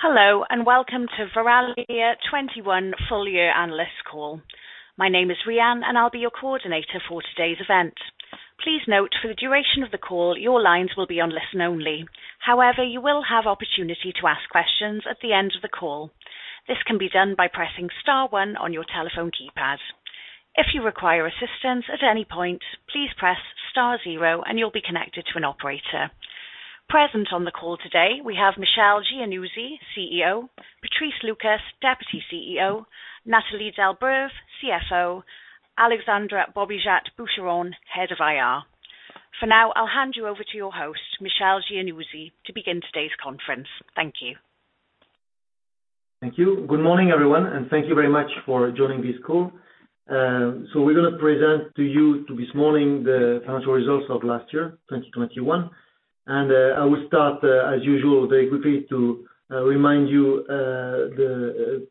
Hello, and welcome to Verallia 2021 full year analyst call. My name is Rhian, and I'll be your coordinator for today's event. Please note for the duration of the call, your lines will be on listen only. However, you will have opportunity to ask questions at the end of the call. This can be done by pressing star one on your telephone keypad. If you require assistance at any point, please press star zero and you'll be connected to an operator. Present on the call today, we have Michel Giannuzzi, CEO, Patrice Lucas, Deputy CEO, Nathalie Delbreuve, CFO, Alexandra Baubigeat Boucheron, Head of IR. For now, I'll hand you over to your host, Michel Giannuzzi, to begin today's conference. Thank you. Thank you. Good morning, everyone, and thank you very much for joining this call. We're gonna present to you this morning the financial results of last year, 2021. I will start, as usual, very quickly to remind you the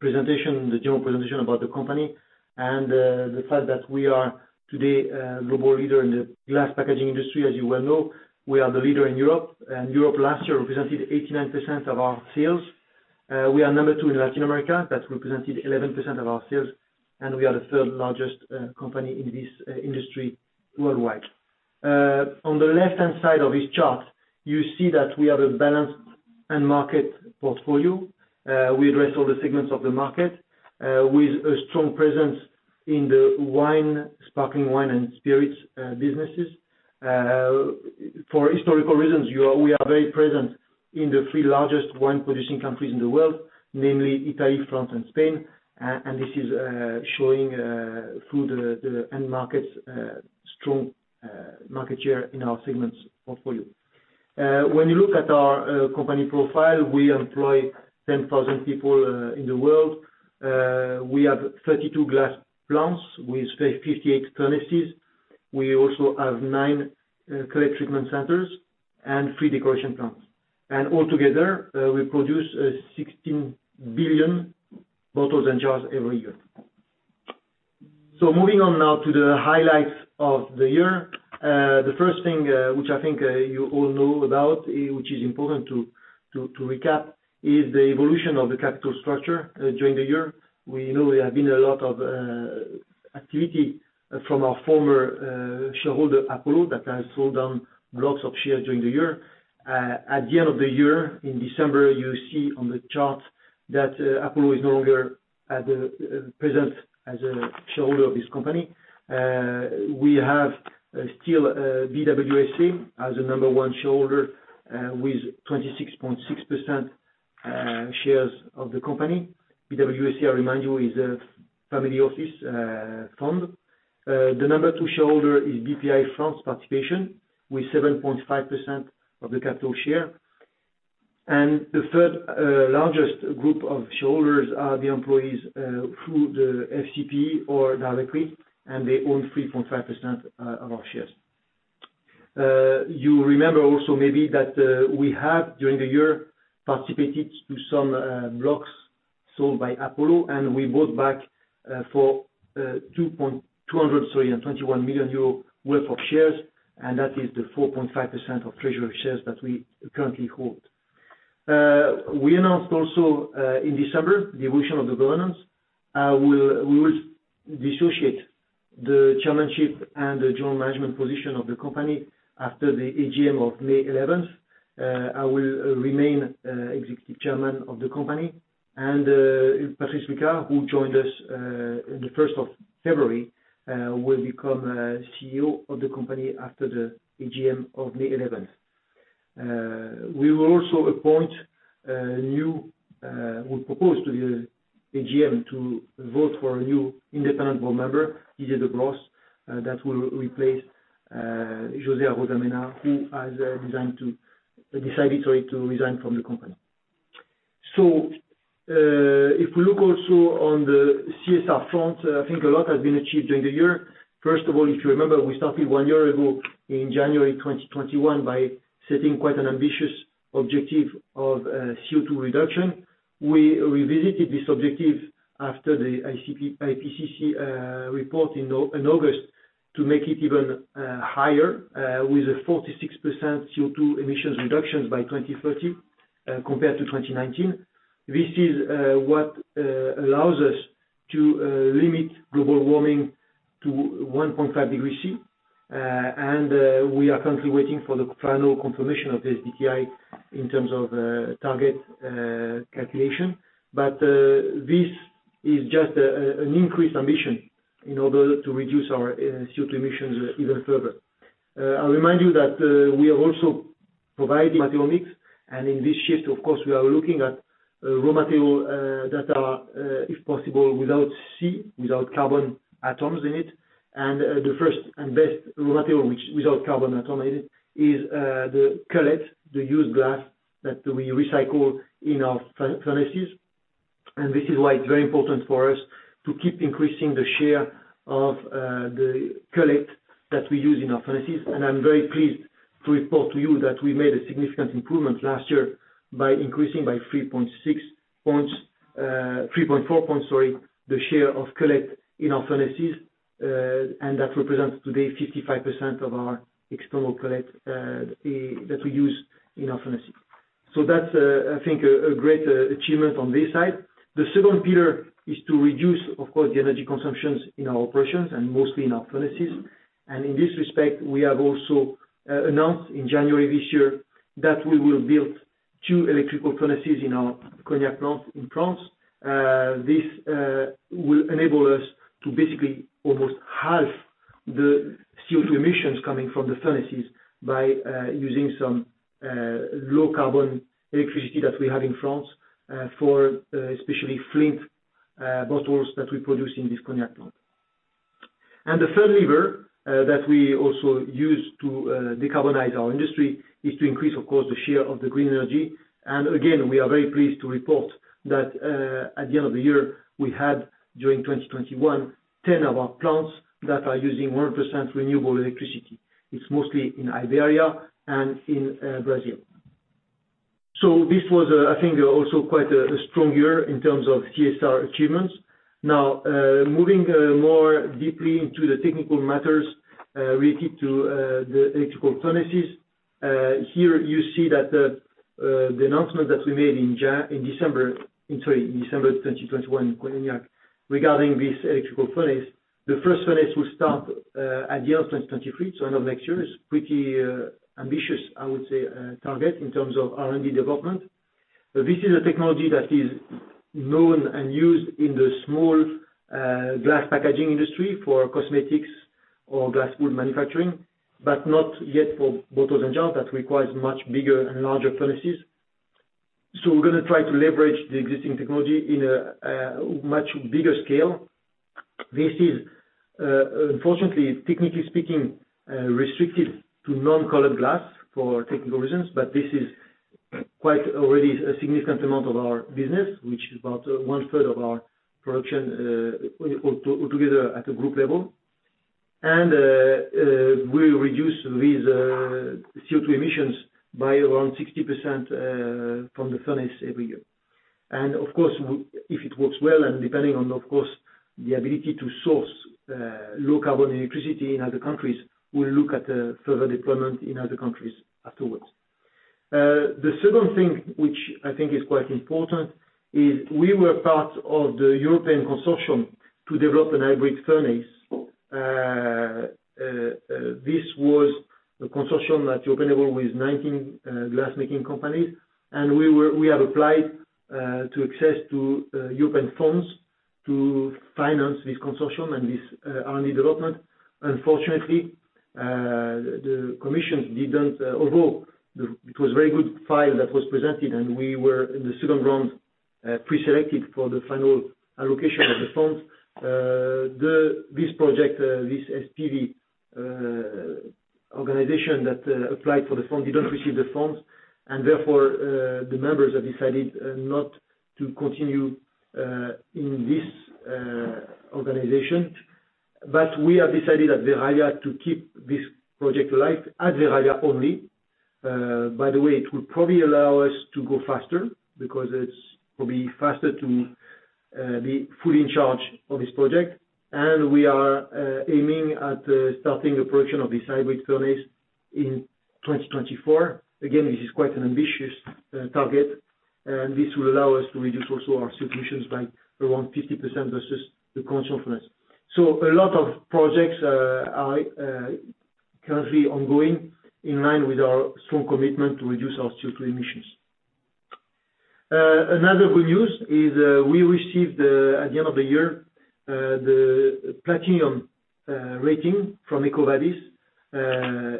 presentation, the general presentation about the company and the fact that we are today a global leader in the glass packaging industry. As you well know, we are the leader in Europe, and Europe last year represented 89% of our sales. We are number two in Latin America. That represented 11% of our sales, and we are the third largest company in this industry worldwide. On the left-hand side of this chart, you see that we have a balanced end market portfolio. We address all the segments of the market with a strong presence in the wine, sparkling wine and spirits businesses. For historical reasons, we are very present in the three largest wine producing countries in the world, namely Italy, France and Spain. This is showing through the end markets strong market share in our segments portfolio. When you look at our company profile, we employ 10,000 people in the world. We have 32 glass plants with 58 furnaces. We also have nine cullet treatment centers and three decoration plants. All together, we produce 16 billion bottles and jars every year. Moving on now to the highlights of the year. The first thing, which I think you all know about, which is important to recap, is the evolution of the capital structure during the year. We know there have been a lot of activity from our former shareholder, Apollo, that has sold down blocks of shares during the year. At the end of the year, in December, you see on the chart that Apollo is no longer present as a shareholder of this company. We have still BWSA as the number one shareholder with 26.6% shares of the company. BWSA, I remind you, is a family office fund. The number two shareholder is Bpifrance Participations with 7.5% of the capital share. The third largest group of shareholders are the employees through the FCP or directly, and they own 3.5% of our shares. You remember also maybe that we have during the year participated to some blocks sold by Apollo, and we bought back for 221 million euro worth of shares, and that is the 4.5% of treasury shares that we currently hold. We announced also in December the evolution of the governance. We will dissociate the chairmanship and the general management position of the company after the AGM of May 11th. I will remain Executive Chairman of the company and Patrice Lucas, who joined us in the first of February, will become CEO of the company after the AGM of May 11th. We propose to the AGM to vote for a new independent board member, Didier Debrosse, that will replace José Arozamena, who has decided, sorry, to resign from the company. If we look also on the CSR front, I think a lot has been achieved during the year. First of all, if you remember, we started one year ago in January 2021 by setting quite an ambitious objective of CO2 reduction. We revisited this objective after the IPCC report in August to make it even higher with a 46% CO2 emissions reductions by 2030 compared to 2019. This is what allows us to limit global warming to 1.5 degrees C. We are currently waiting for the final confirmation of the SBTi in terms of target calculation. This is just an increased ambition in order to reduce our CO2 emissions even further. I'll remind you that we are also providing material mix, and in this shift, of course, we are looking at raw material that are, if possible, without carbon atoms in it. The first and best raw material which without carbon atom in it is the cullet, the used glass that we recycle in our furnaces. This is why it's very important for us to keep increasing the share of the cullet that we use in our furnaces. I'm very pleased to report to you that we made a significant improvement last year by increasing by 3.6 points, 3.4 points, sorry, the share of cullet in our furnaces. That represents today 55% of our external cullet that we use in our furnaces. That's, I think a great achievement on this side. The second pillar is to reduce, of course, the energy consumptions in our operations and mostly in our furnaces. In this respect, we have also announced in January this year that we will build two electrical furnaces in our Cognac plant in France. This will enable us to basically almost halve the CO2 emissions coming from the furnaces by using some low carbon electricity that we have in France for especially flint bottles that we produce in this Cognac plant. The third lever that we also use to decarbonize our industry is to increase, of course, the share of the green energy. We are very pleased to report that at the end of the year, we had, during 2021, 10 of our plants that are using 100% renewable electricity. It's mostly in Iberia and in Brazil. This was, I think, also quite a strong year in terms of CSR achievements. Now, moving more deeply into the technical matters related to the electrical furnaces. Here you see that the announcement that we made in December, I'm sorry, in December of 2021 in Cognac regarding this electrical furnace. The first furnace will start at the end of 2023, so end of next year. It's pretty ambitious, I would say, target in terms of R&D development. This is a technology that is known and used in the small glass packaging industry for cosmetics or glass wool manufacturing, but not yet for bottles and jars. That requires much bigger and larger furnaces. We're gonna try to leverage the existing technology in a much bigger scale. This is, unfortunately, technically speaking, restricted to non-colored glass for technical reasons, but this is quite already a significant amount of our business, which is about 1/3 of our production, all together at the group level. We'll reduce these CO2 emissions by around 60% from the furnace every year. Of course, if it works well, and depending on, of course, the ability to source low carbon electricity in other countries, we'll look at further deployment in other countries afterwards. The second thing, which I think is quite important, is we were part of the European consortium to develop a hybrid furnace. This was a consortium that involved 19 glass-making companies, and we have applied to access European funds to finance this consortium and this R&D development. Although it was a very good file that was presented, and we were in the second round preselected for the final allocation of the funds. This project, this SPV organization that applied for the fund, did not receive the funds, and therefore, the members have decided not to continue in this organization. We have decided at Verallia to keep this project alive at Verallia only. By the way, it will probably allow us to go faster because it will be faster to be fully in charge of this project. We are aiming at starting the production of this hybrid furnace in 2024. Again, this is quite an ambitious target, and this will allow us to reduce also our CO2 emissions by around 50% versus the conventional furnace. A lot of projects are currently ongoing in line with our strong commitment to reduce our CO2 emissions. Another good news is we received at the end of the year the platinum rating from EcoVadis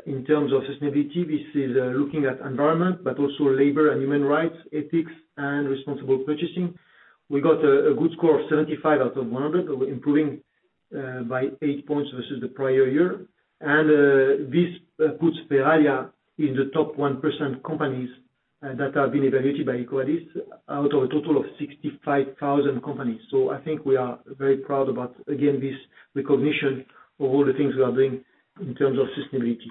in terms of sustainability. This is looking at environment, but also labor and human rights, ethics and responsible purchasing. We got a good score of 75 out of 100. We're improving by eight points versus the prior year. This puts Verallia in the top 1% companies that have been evaluated by EcoVadis out of a total of 65,000 companies. I think we are very proud about, again, this recognition of all the things we are doing in terms of sustainability.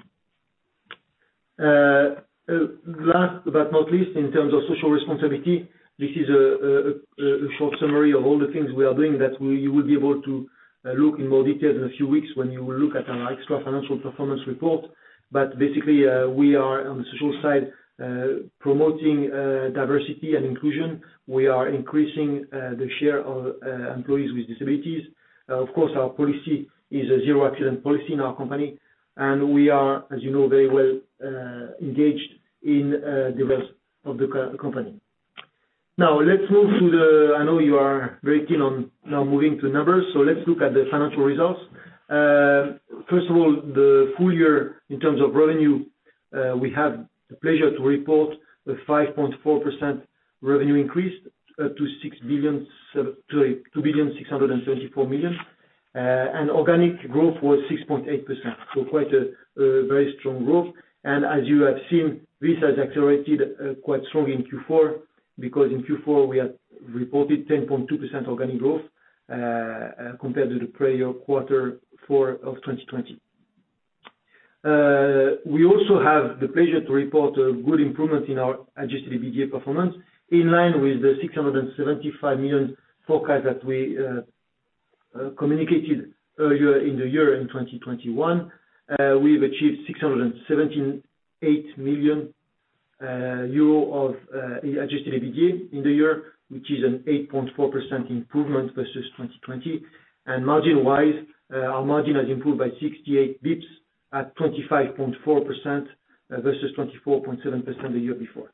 Last but not least, in terms of social responsibility, this is a short summary of all the things we are doing that you will be able to look in more detail in a few weeks when you will look at our extra-financial performance report. Basically, we are, on the social side, promoting diversity and inclusion. We are increasing the share of employees with disabilities. Of course, our policy is a zero accident policy in our company. We are, as you know, very well engaged in development of the company. Now, let's move. I know you are very keen on now moving to numbers, so let's look at the financial results. First of all, the full year in terms of revenue, we have the pleasure to report a 5.4% revenue increase to 2.624 billion. And organic growth was 6.8%, so quite a very strong growth. As you have seen, this has accelerated quite strong in Q4, because in Q4 we had reported 10.2% organic growth, compared to the prior Q4 of 2020. We also have the pleasure to report a good improvement in our adjusted EBITDA performance, in line with the 675 million forecast that we communicated earlier in the year in 2021. We've achieved 678 million euro of the adjusted EBITDA in the year, which is an 8.4% improvement versus 2020. Margin wise, our margin has improved by 68 basis points at 25.4% versus 24.7% the year before.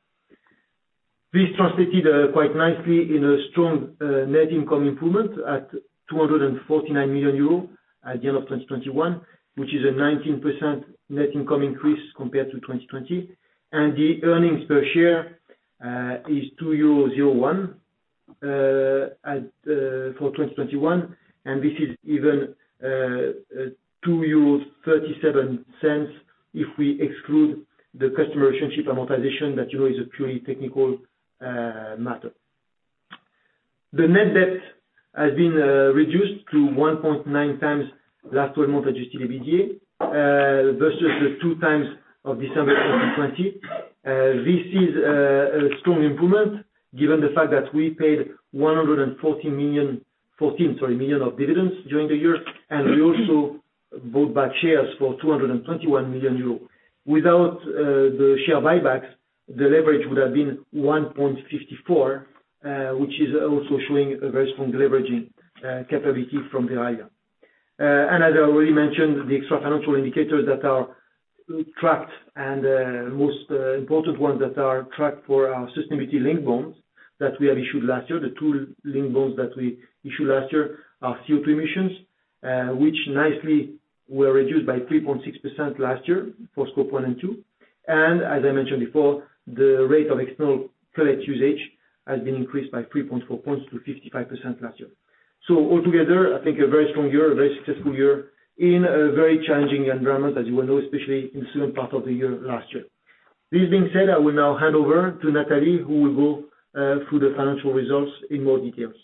This translated quite nicely in a strong net income improvement at 249 million euros at the end of 2021, which is a 19% net income increase compared to 2020. The earnings per share is 2.01 euro for 2021, and this is even 2.37 euro if we exclude the customer relationship amortization that, you know, is a purely technical matter. The net debt has been reduced to 1.9x last 12 month adjusted EBITDA versus the 2x of December 2020. This is a strong improvement given the fact that we paid 114 million of dividends during the year, and we also bought back shares for 221 million euros. Without the share buybacks, the leverage would have been 1.54, which is also showing a very strong leveraging capability from the item. As I already mentioned, the extra financial indicators that are tracked and most important ones that are tracked for our sustainability-linked bonds that we have issued last year are CO2 emissions, which nicely were reduced by 3.6% last year for Scope 1 and 2. As I mentioned before, the rate of external cullet usage has been increased by 3.4 points to 55% last year. Altogether, I think a very strong year, a very successful year in a very challenging environment, as you all know, especially in certain parts of the year last year. This being said, I will now hand over to Nathalie, who will go through the financial results in more details.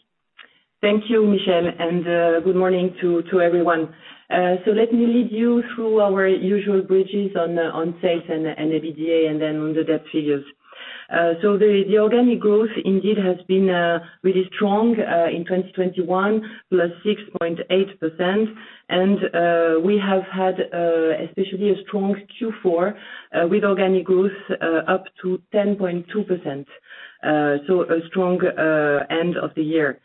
Thank you, Michel, and good morning to everyone. So let me lead you through our usual bridges on sales and EBITDA and then on the debt figures. The organic growth indeed has been really strong in 2021, +6.8%. We have had especially a strong Q4 with organic growth up to 10.2%. A strong end of the year.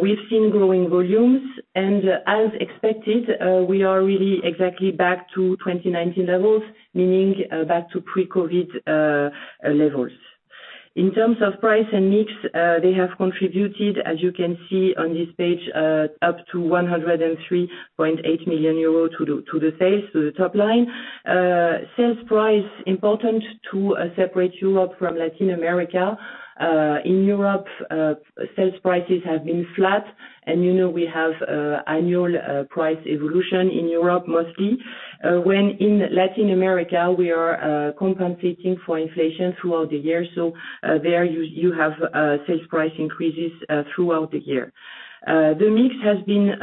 We've seen growing volumes and as expected, we are really exactly back to 2019 levels, meaning back to pre-COVID levels. In terms of price and mix, they have contributed, as you can see on this page, up to 103.8 million euros to the sales, to the top line. Sales price important to separate Europe from Latin America. In Europe, sales prices have been flat and, you know, we have annual price evolution in Europe mostly. When in Latin America, we are compensating for inflation throughout the year, so there you have sales price increases throughout the year. The mix has been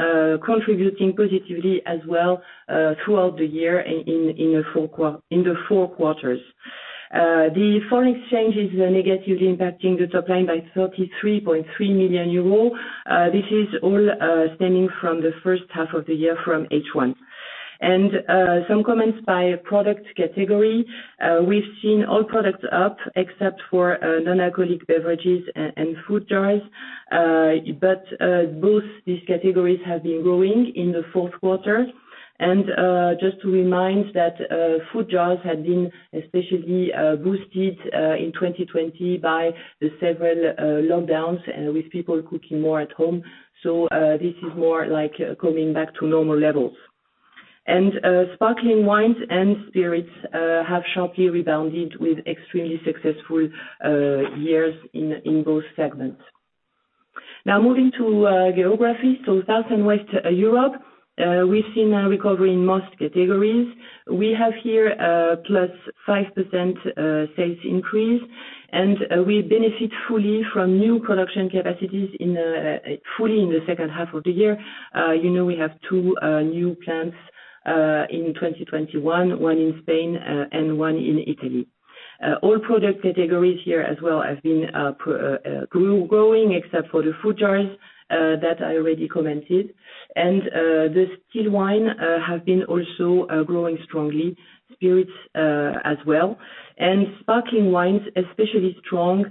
contributing positively as well throughout the year in the four quarters. The foreign exchange is negatively impacting the top line by 33.3 million euros. This is all stemming from the first half of the year from H1. Some comments by product category. We've seen all products up except for non-alcoholic beverages and food jars. Both these categories have been growing in the fourth quarter. Just to remind that food jars had been especially boosted in 2020 by the several lockdowns and with people cooking more at home. This is more like coming back to normal levels. Sparkling wines and spirits have sharply rebounded with extremely successful years in both segments. Now, moving to geography, South and West Europe, we've seen a recovery in most categories. We have here +5% sales increase, and we benefit fully from new production capacities in the second half of the year. You know, we have two new plants in 2021, one in Spain and one in Italy. All product categories here as well have been growing except for the food jars that I already commented. The still wine have been also growing strongly, spirits as well. Sparkling wines especially strong.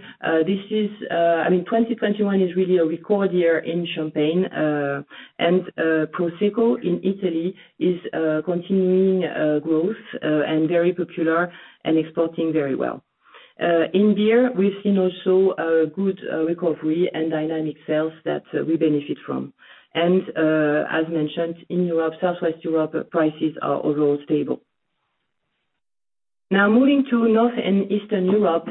This is, I mean, 2021 is really a record year in Champagne. Prosecco in Italy is continuing growth and very popular and exporting very well. In beer, we've seen also a good recovery and dynamic sales that we benefit from. As mentioned, in Europe, Southwest Europe, prices are overall stable. Now, moving to North and Eastern Europe,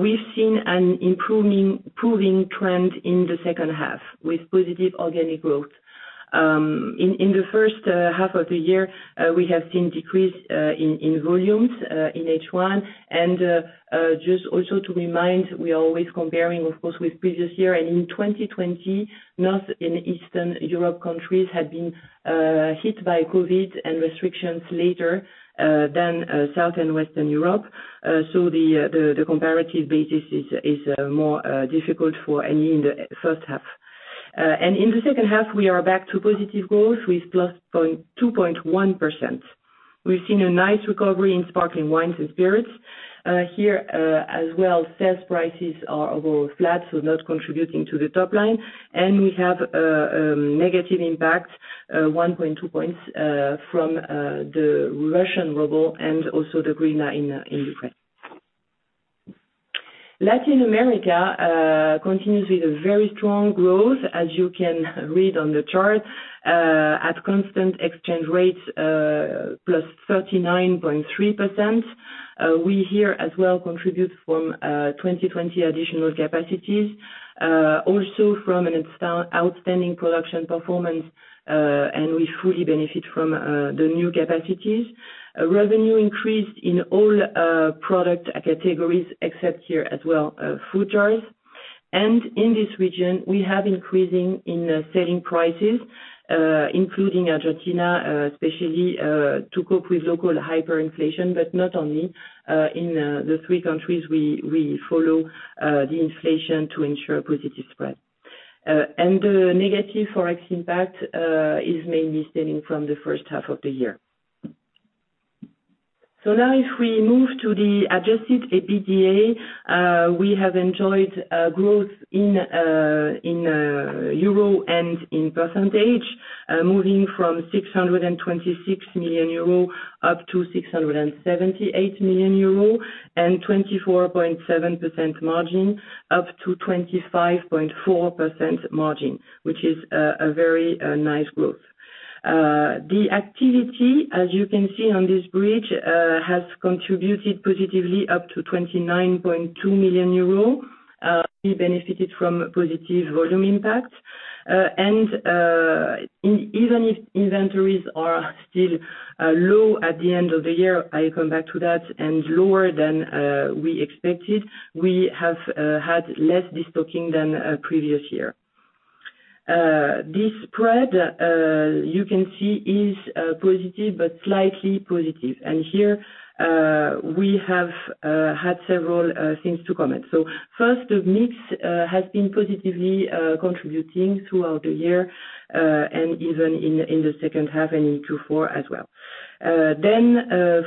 we've seen an improving trend in the second half with positive organic growth. In the first half of the year, we have seen decrease in volumes in H1. Just also to remind, we are always comparing, of course, with previous year. In 2020, North and Eastern Europe countries had been hit by COVID and restrictions later than South and Western Europe. So the comparative basis is more difficult for any in the first half. In the second half, we are back to positive growth with +0.21%. We've seen a nice recovery in sparkling wines and spirits. Here, as well, sales prices are overall flat, so not contributing to the top line. We have negative impact 1.2 points from the Russian ruble and also the hryvnia in Ukraine. Latin America continues with a very strong growth, as you can read on the chart. At constant exchange rates, +39.3%. We here as well contribute from 2020 additional capacities, also from an outstanding production performance, and we fully benefit from the new capacities. Revenue increased in all product categories, except here as well food jars. In this region, we have increasing in selling prices, including Argentina, especially to cope with local hyperinflation, but not only. In the three countries we follow the inflation to ensure positive spread. The negative Forex impact is mainly stemming from the first half of the year. Now if we move to the adjusted EBITDA, we have enjoyed growth in euro and in percentage, moving from 626 million euro up to 678 million euro and 24.7% margin up to 25.4% margin, which is a very nice growth. The activity, as you can see on this bridge, has contributed positively up to 29.2 million euros. We benefited from positive volume impact. Even if inventories are still low at the end of the year, I come back to that, and lower than we expected, we have had less destocking than previous year. This spread you can see is positive, but slightly positive. Here we have had several things to comment. First, the mix has been positively contributing throughout the year and even in the second half and in Q4 as well.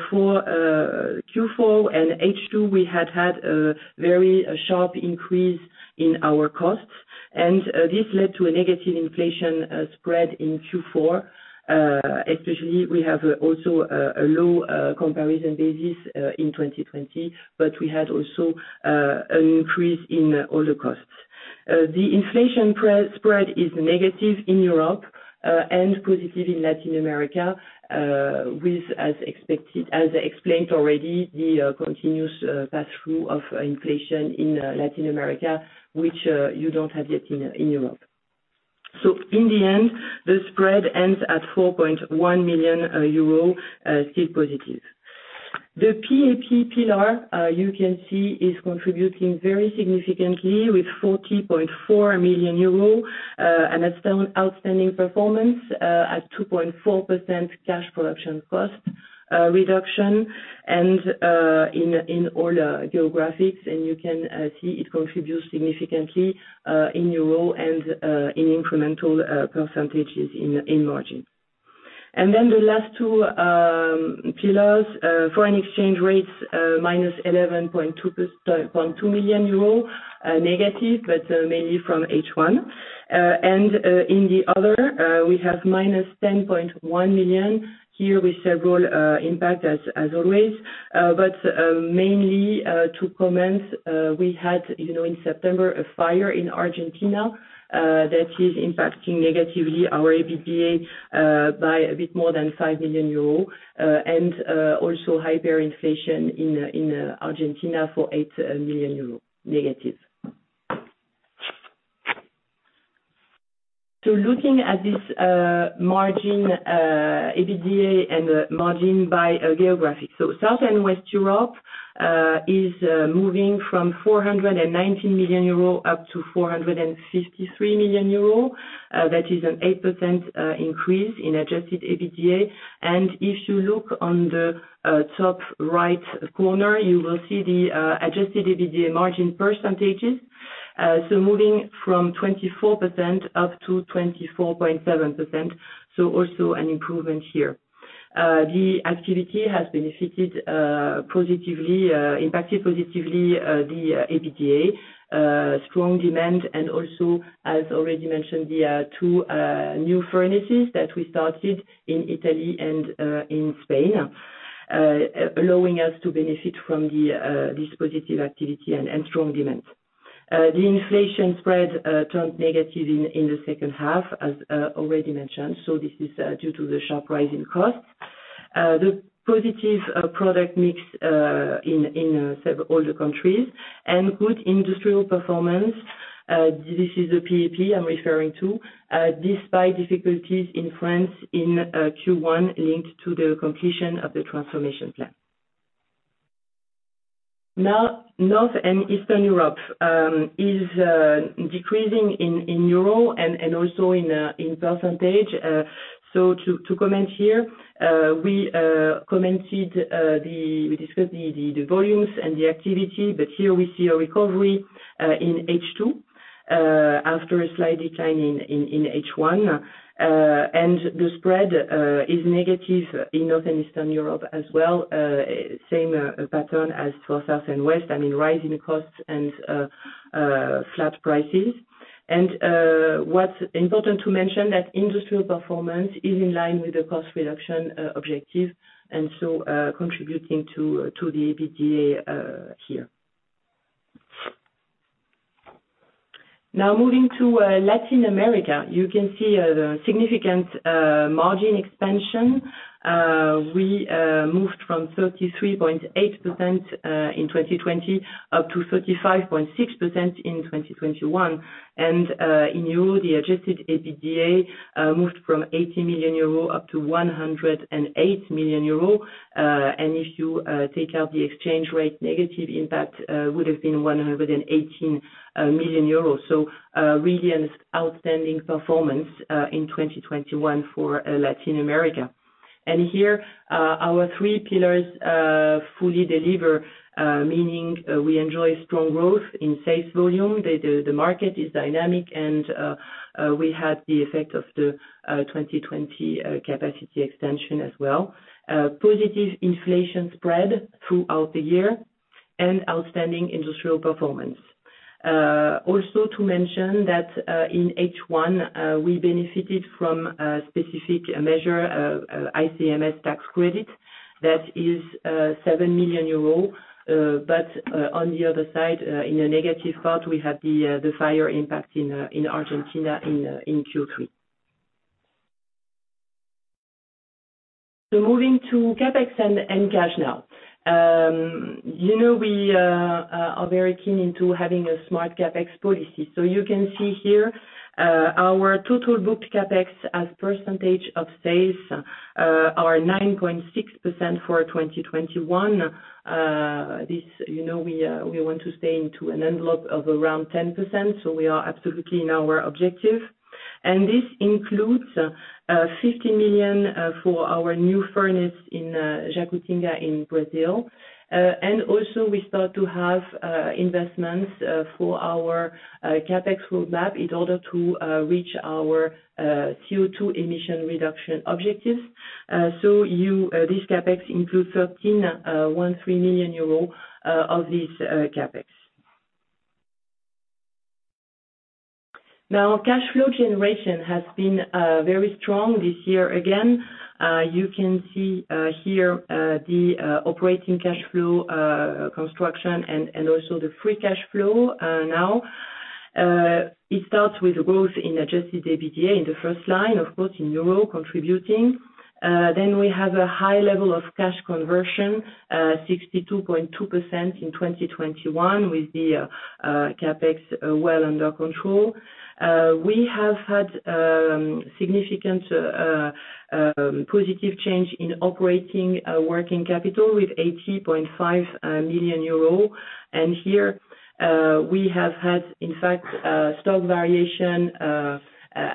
For Q4 and H2, we had a very sharp increase in our costs, and this led to a negative inflation spread in Q4. Especially, we have also a low comparison basis in 2020, but we had also an increase in all the costs. The inflation-price spread is negative in Europe and positive in Latin America, with, as expected, as explained already, the continuous pass-through of inflation in Latin America, which you don't have yet in Europe. In the end, the spread ends at 4.1 million euro, still positive. The PAP pillar, you can see, is contributing very significantly with 40.4 million euros, an outstanding performance at 2.4% cash production cost reduction, and in all geographies. You can see it contributes significantly in euro and in incremental percentages in margin. Then the last two pillars, foreign exchange rates, minus 11.22 million euro, negative, but mainly from H1. In the other, we have minus 10.1 million here with several impacts as always. Mainly to comment, we had, you know, in September, a fire in Argentina that is impacting negatively our EBITDA by a bit more than 5 million euros, and also hyperinflation in Argentina for 8 million euros negative. Looking at this margin, EBITDA and margin by geography. South and West Europe is moving from 419 million euros up to 453 million euros. That is an 8% increase in adjusted EBITDA. If you look on the top right corner, you will see the adjusted EBITDA margin percentages. Moving from 24% up to 24.7%, so also an improvement here. The activity has benefited positively impacted the EBITDA, strong demand and also, as already mentioned, the two new furnaces that we started in Italy and in Spain, allowing us to benefit from this positive activity and strong demand. The inflation spread turned negative in the second half as already mentioned. This is due to the sharp rise in costs. The positive product mix in several countries and good industrial performance, this is the PAP I'm referring to, despite difficulties in France in Q1 linked to the completion of the transformation plan. Now, North and Eastern Europe is decreasing in euro and also in percentage. To comment here, we commented the. Discussed the volumes and the activity. Here we see a recovery in H2 after a slight decline in H1. The spread is negative in Northern Eastern Europe as well. Same pattern as for South and West, I mean, rising costs and flat prices. What's important to mention that industrial performance is in line with the cost reduction objective, and so contributing to the EBITDA here. Now moving to Latin America, you can see the significant margin expansion. We moved from 33.8% in 2020 up to 35.6% in 2021. In euros, the adjusted EBITDA moved from 80 million euro up to 108 million euro. If you take out the exchange rate negative impact, would've been 118 million euro. Really an outstanding performance in 2021 for Latin America. Here our three pillars fully deliver, meaning we enjoy strong growth in sales volume. The market is dynamic and we have the effect of the 2020 capacity extension as well. Positive inflation spread throughout the year and outstanding industrial performance. Also to mention that in H1 we benefited from a specific measure of ICMS tax credit that is 7 million euro. On the other side, in a negative part, we have the fire impact in Argentina in Q3. Moving to CapEx and cash now. You know, we are very keen into having a smart CapEx policy. You can see here our total booked CapEx as percentage of sales are 9.6% for 2021. This, you know, we want to stay into an envelope of around 10%, so we are absolutely in our objective. This includes 50 million for our new furnace in Jacutinga in Brazil. Also we start to have investments for our CapEx roadmap in order to reach our CO2 emission reduction objectives. This CapEx includes 13 million euros of this CapEx. Now, cash flow generation has been very strong this year again. You can see here the operating cash flow reconciliation, and also the free cash flow now. It starts with growth in adjusted EBITDA in the first line, of course in euros contributing. Then we have a high level of cash conversion 62.2% in 2021 with the CapEx well under control. We have had significant positive change in operating working capital with 80.5 million euro. Here we have had in fact stock variation.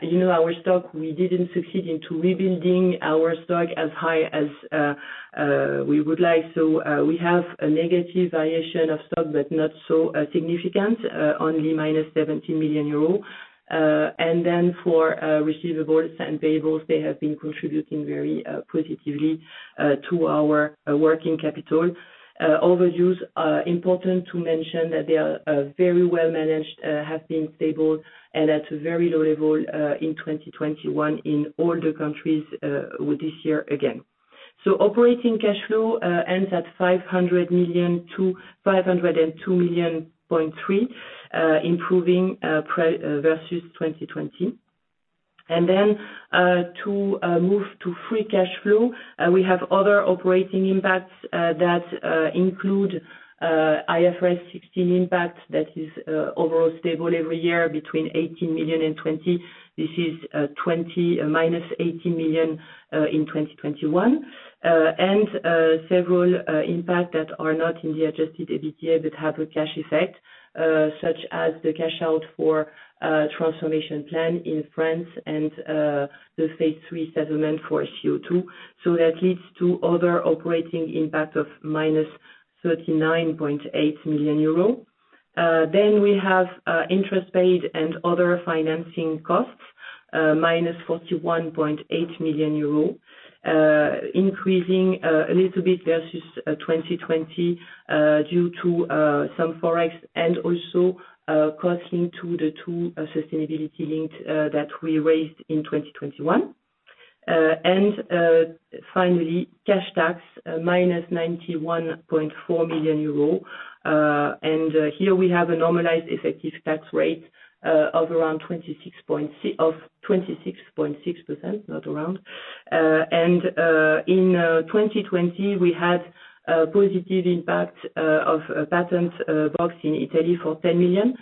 You know, our stock, we didn't succeed into rebuilding our stock as high as we would like. We have a negative variation of stock, but not so significant, only minus 17 million euro. For receivables and payables, they have been contributing very positively to our working capital. Overdues are important to mention that they are very well managed, have been stable and at a very low level in 2021 in all the countries, with this year again. Operating cash flow ends at 500 million-502.3 million, improving versus 2020. To move to free cash flow, we have other operating impacts that include IFRS 16 impact that is overall stable every year between 18 million and 20 million. This is 20 million minus 18 million in 2021. Several impacts that are not in the adjusted EBITDA, but have a cash effect, such as the cash out for transformation plan in France and the phase III settlement for CO2. That leads to other operating impact of minus 39.8 million euro. We have interest paid and other financing costs minus 41.8 million euro, increasing a little bit versus 2020 due to some Forex and also costs linked to the two sustainability linked that we raised in 2021. Cash tax minus 91.4 million euro. Here we have a normalized effective tax rate of 26.6%, not around. In 2020, we had positive impact of patent box in Italy for 10 million.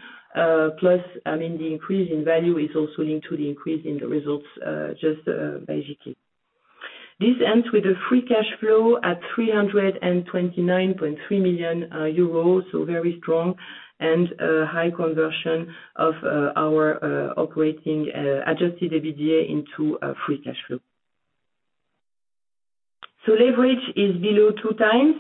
Plus, I mean, the increase in value is also linked to the increase in the results, just basically. This ends with a free cash flow at 329.3 million euros, so very strong and high conversion of our operating adjusted EBITDA into free cash flow. Leverage is below 2 times.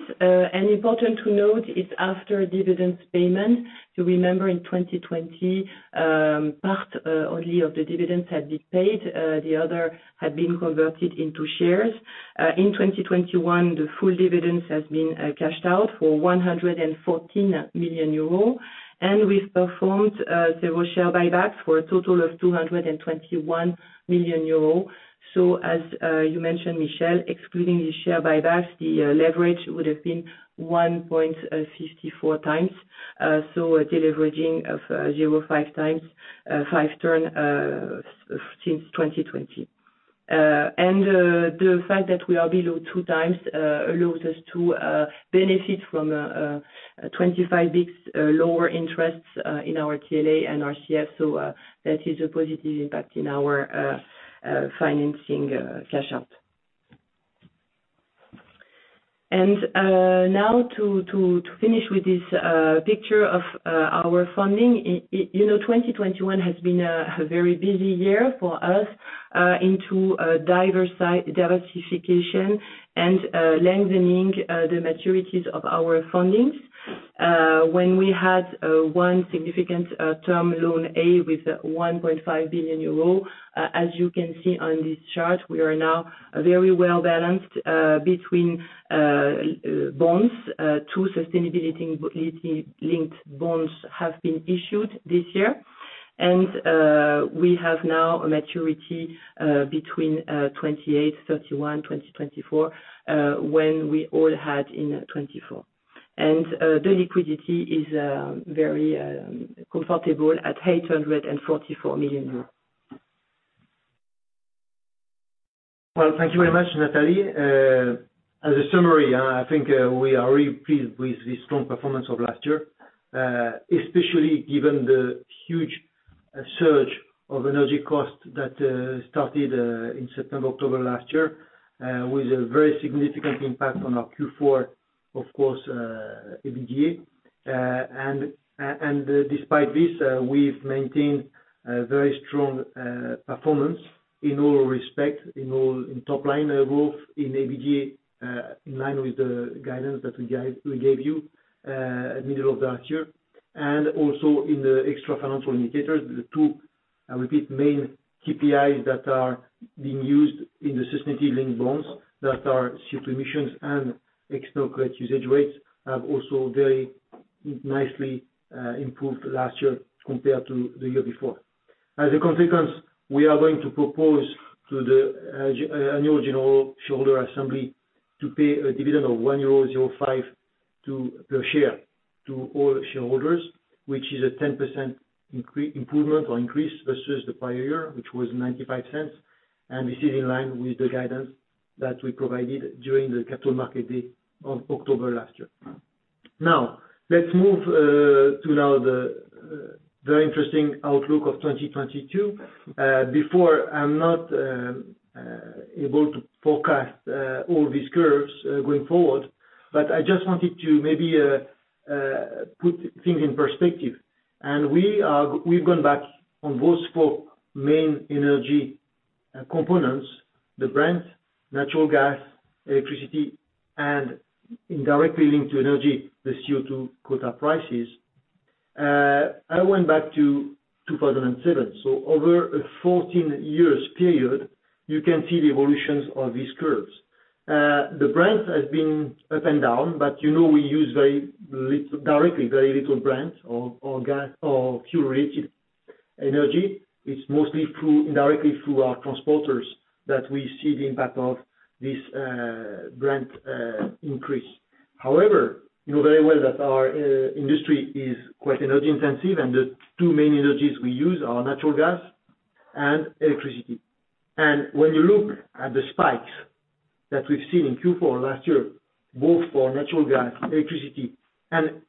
Important to note, it's after dividends payment. You remember in 2020, part only of the dividends had been paid, the other had been converted into shares. In 2021, the full dividends has been cashed out for 114 million euro. We've performed several share buybacks for a total of 221 million euro. As you mentioned, Michel, excluding the share buybacks, the leverage would have been 1.54 times. A deleveraging of 0.5 turns since 2020. The fact that we are below 2 times allows us to benefit from 25 basis points lower interest in our TLA and RCF. That is a positive impact in our financing cash out. Now to finish with this picture of our funding. You know, 2021 has been a very busy year for us into diversification and lengthening the maturities of our fundings. When we had one significant term loan A with 1.5 billion euro, as you can see on this chart, we are now very well-balanced between bonds. Two sustainability-linked bonds have been issued this year. We have now a maturity between 2028, 2021, 2024, when we all had in 2024. The liquidity is very comfortable at EUR 844 million. Well, thank you very much, Nathalie. As a summary, I think we are really pleased with the strong performance of last year, especially given the huge surge of energy costs that started in September, October last year, with a very significant impact on our Q4, of course, EBITDA. And despite this, we've maintained a very strong performance in all respects, in top line growth in EBITDA, in line with the guidance that we gave you at the middle of last year, and also in the extra-financial indicators. The two, I repeat, main KPIs that are being used in the sustainability-linked bonds that are Scope emissions and external cullet usage rates have also very nicely improved last year compared to the year before. As a consequence, we are going to propose to the annual general shareholder assembly to pay a dividend of 1.05 euro per share to all shareholders, which is a 10% increase versus the prior year, which was 0.95. This is in line with the guidance that we provided during the Capital Markets Day of October last year. Now let's move to the very interesting outlook of 2022. Before I am able to forecast all these curves going forward, I just wanted to maybe put things in perspective. We've gone back on those four main energy components, the Brent, natural gas, electricity, and indirectly linked to energy, the CO2 quota prices. I went back to 2007, so over a 14-year period, you can see the evolutions of these curves. The Brent has been up and down, but you know, we use very little, directly, very little Brent or gas or fuel-related energy. It's mostly through, indirectly through our transporters that we see the impact of this Brent increase. However, you know very well that our industry is quite energy intensive, and the two main energies we use are natural gas and electricity. When you look at the spikes that we've seen in Q4 last year, both for natural gas and electricity, and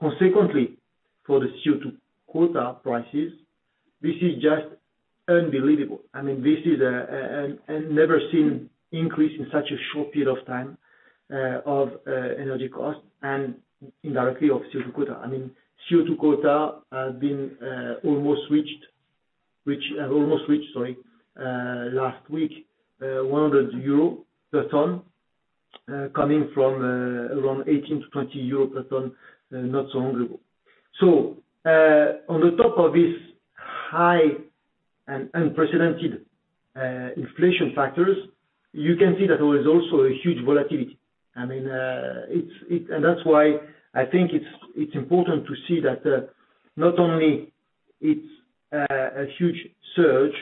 consequently for the CO2 quota prices, this is just unbelievable. I mean, this is an never seen increase in such a short period of time, of energy costs and indirectly of CO2 quota. I mean, CO2 quota has been almost reached, which has almost reached, sorry, last week, 100 euro per ton, coming from around 18-20 euro per ton not so long ago. On top of this high and unprecedented inflation factors, you can see that there is also a huge volatility. That's why I think it's important to see that not only it's a huge surge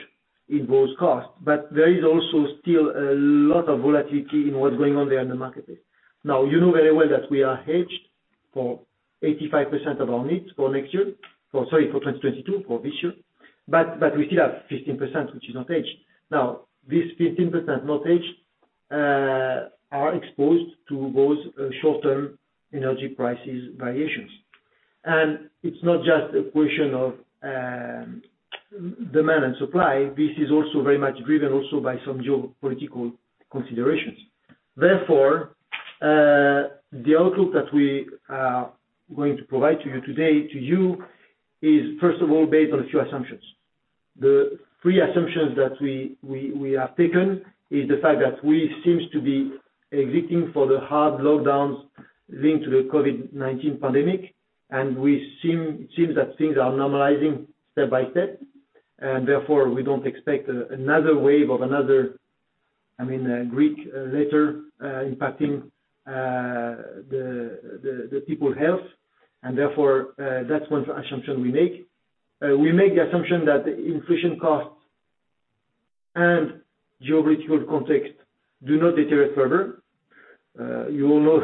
in those costs, but there is also still a lot of volatility in what's going on there in the marketplace. Now, you know very well that we are hedged for 85% of our needs for next year, or sorry, for 2022, for this year. We still have 15%, which is not hedged. Now, this 15% not hedged are exposed to those short-term energy prices variations. It's not just a question of demand and supply, this is also very much driven also by some geopolitical considerations. Therefore, the outlook that we are going to provide to you today is first of all based on a few assumptions. The three assumptions that we have taken is the fact that we seem to be exiting the hard lockdowns linked to the COVID-19 pandemic, and it seems that things are normalizing step by step, and therefore we don't expect another wave of, I mean, a Greek letter impacting the people's health, and therefore that's one assumption we make. We make the assumption that the inflation costs and geopolitical context do not deteriorate further. You all know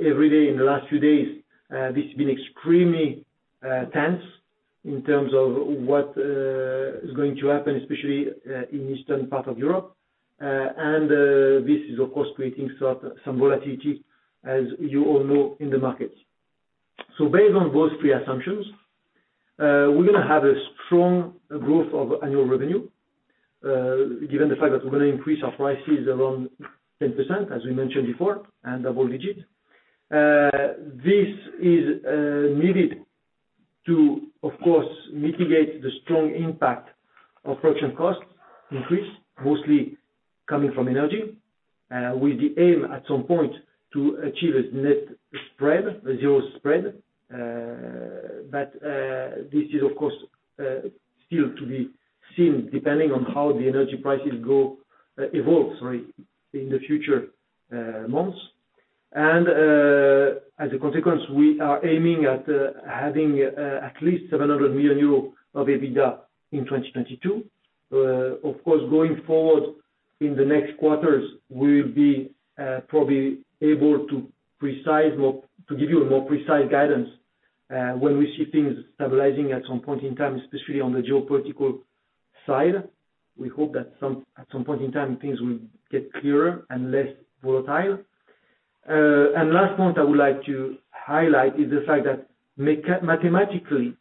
every day in the last few days this has been extremely tense in terms of what is going to happen, especially in Eastern part of Europe. This is of course creating some volatility as you all know in the markets. Based on those three assumptions, we're gonna have a strong growth of annual revenue, given the fact that we're gonna increase our prices around 10%, as we mentioned before, and double-digits. This is needed to, of course, mitigate the strong impact of production costs increase, mostly coming from energy, with the aim at some point to achieve a net spread, a zero spread. This is of course still to be seen depending on how the energy prices evolve in the future months. As a consequence, we are aiming at having at least 700 million euro of EBITDA in 2022. Of course, going forward in the next quarters, we'll be probably able to be more precise, to give you a more precise guidance, when we see things stabilizing at some point in time, especially on the geopolitical side. We hope that at some point in time, things will get clearer and less volatile. Last point I would like to highlight is the fact that mathematically,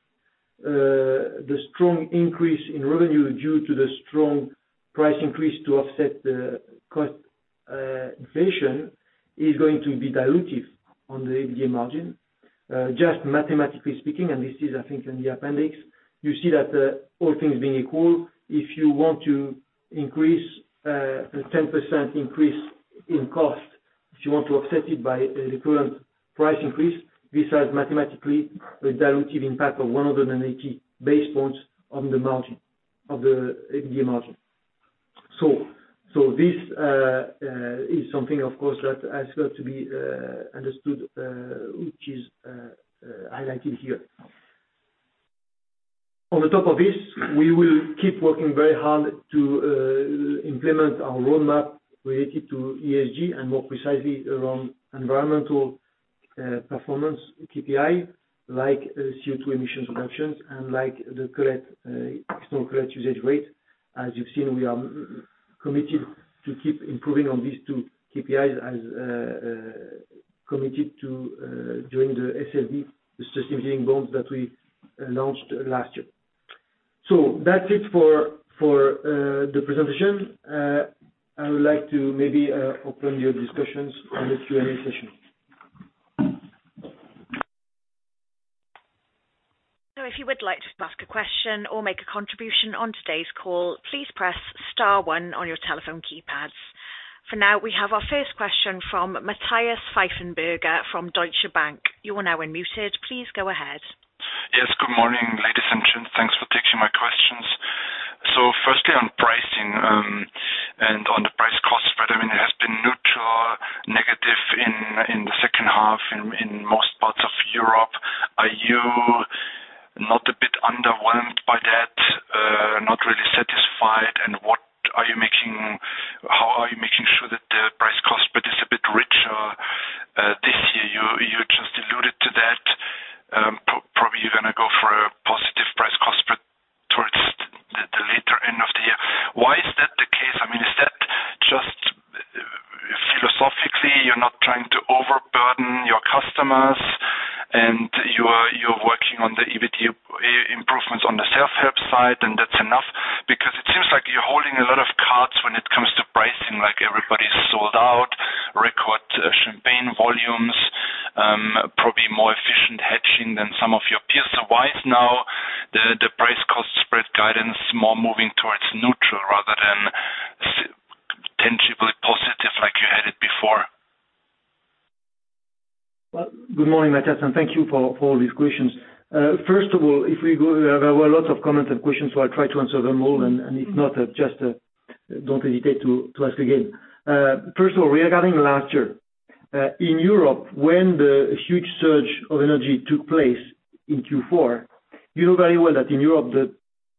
the strong increase in revenue due to the strong price increase to offset the cost inflation, is going to be dilutive on the EBITDA margin. Just mathematically speaking, and this is, I think, in the appendix, you see that, all things being equal, if you want to increase a 10% increase in cost, if you want to offset it by a recurrent price increase, this has mathematically a dilutive impact of 180 basis points on the margin, of the EBITDA margin. This is something, of course, that has got to be understood, which is highlighted here. On the top of this, we will keep working very hard to implement our roadmap related to ESG and more precisely around environmental performance KPI, like, CO2 emission reductions, and like the correct external cullet usage rate. As you've seen, we are committed to keep improving on these two KPIs as committed to during the SLB, the sustainability bonds that we announced last year. That's it for the presentation. I would like to maybe open your discussions on the Q&A session. If you would like to ask a question or make a contribution on today's call, please press star one on your telephone keypads. For now, we have our first question from Matthias Pfeifenberger from Deutsche Bank. You are now unmuted. Please go ahead. Yes, good morning, ladies and gents. Thanks for taking my questions. Firstly, on pricing, and on the price cost spread, I mean, it has been neutral, negative in the second half in most parts of Europe. Are you not a bit underwhelmed by that? Not really satisfied? What are you making? How are you making sure that the price cost spread is a bit richer this year? You just alluded to that. Probably you're gonna go for a positive price cost spread towards the later end of the year. Why is that the case? I mean, is that just philosophically, you're not trying to overburden your customers and you're working on the EBITDA improvements on the self-help side, and that's enough? Because it seems like you're holding a lot of cards when it comes to pricing, like everybody's sold out, record champagne volumes, probably more efficient hedging than some of your peers. Why is now the price cost spread guidance more moving towards neutral rather than tangibly positive like you had it before? Well, good morning, Matthias, and thank you for all these questions. First of all, there were a lot of comments and questions, so I'll try to answer them all, and if not, just don't hesitate to ask again. First of all, regarding last year, in Europe, when the huge surge of energy took place in Q4, you know very well that in Europe,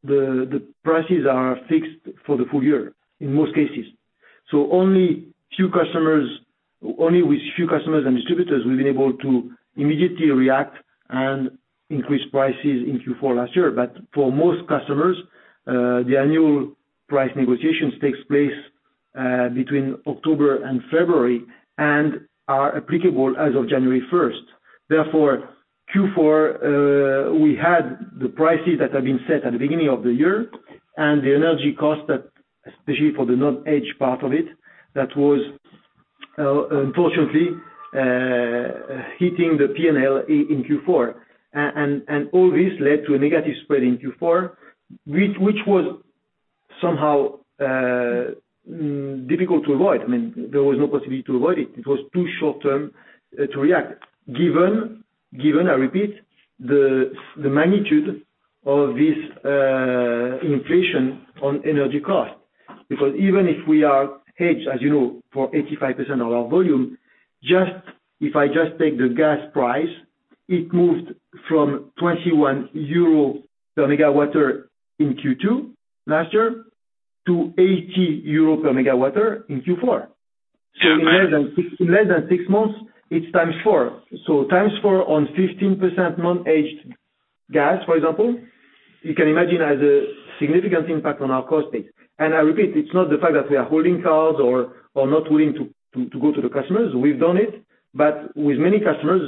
the prices are fixed for the full year in most cases. Only few customers, only with few customers and distributors, we've been able to immediately react and increase prices in Q4 last year. For most customers, their annual price negotiations takes place, between October and February and are applicable as of January first. Therefore, Q4, we had the prices that have been set at the beginning of the year and the energy cost, especially for the non-hedged part of it, that was unfortunately hitting the P&L in Q4. All this led to a negative spread in Q4, which was somehow difficult to avoid. I mean, there was no possibility to avoid it. It was too short-term to react. Given, I repeat, the magnitude of this inflation on energy cost. Because even if we are hedged, as you know, for 85% of our volume. If I just take the gas price, it moved from 21 euro per MWh in Q2 last year to 80 euro per MWh in Q4. Am I. In less than six months, it's times four on 15% non-hedged gas, for example, you can imagine has a significant impact on our cost base. I repeat, it's not the fact that we are holding costs or not willing to go to the customers. We've done it. With many customers,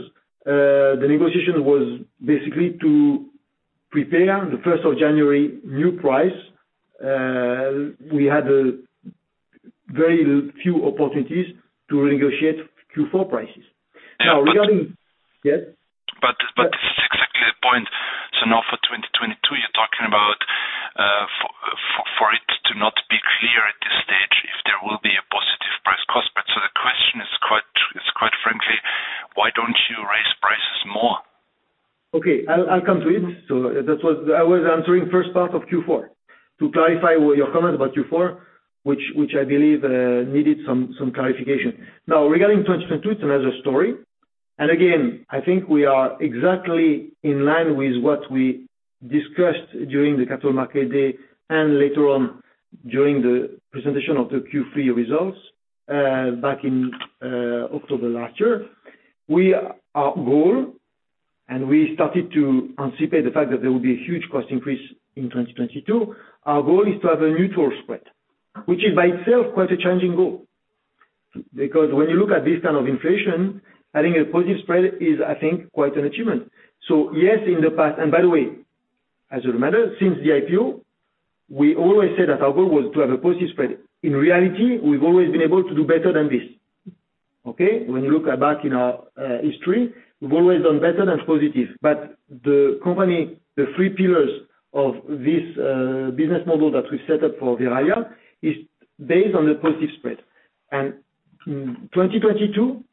the negotiation was basically to prepare the 1st of January new price. We had very few opportunities to renegotiate Q4 prices. Now regarding. But, but. Yes. This is exactly the point. Now for 2022, you're talking about for it to not be clear at this stage if there will be a positive price cost. The question is quite frankly, why don't you raise prices more? Okay. I'll come to it. That was. I was answering first part of Q4. To clarify your comment about Q4, which I believe needed some clarification. Now regarding 2022, it's another story. Again, I think we are exactly in line with what we discussed during the capital market day and later on during the presentation of the Q3 results, back in October last year. Our goal, and we started to anticipate the fact that there will be a huge cost increase in 2022. Our goal is to have a neutral spread, which is by itself quite a challenging goal. Because when you look at this kind of inflation, having a positive spread is, I think, quite an achievement. Yes, in the past. By the way, as it matters, since the IPO, we always said that our goal was to have a positive spread. In reality, we've always been able to do better than this, okay? When you look back in our history, we've always done better than positive. The company, the three pillars of this business model that we set up for Verallia is based on the positive spread. 2022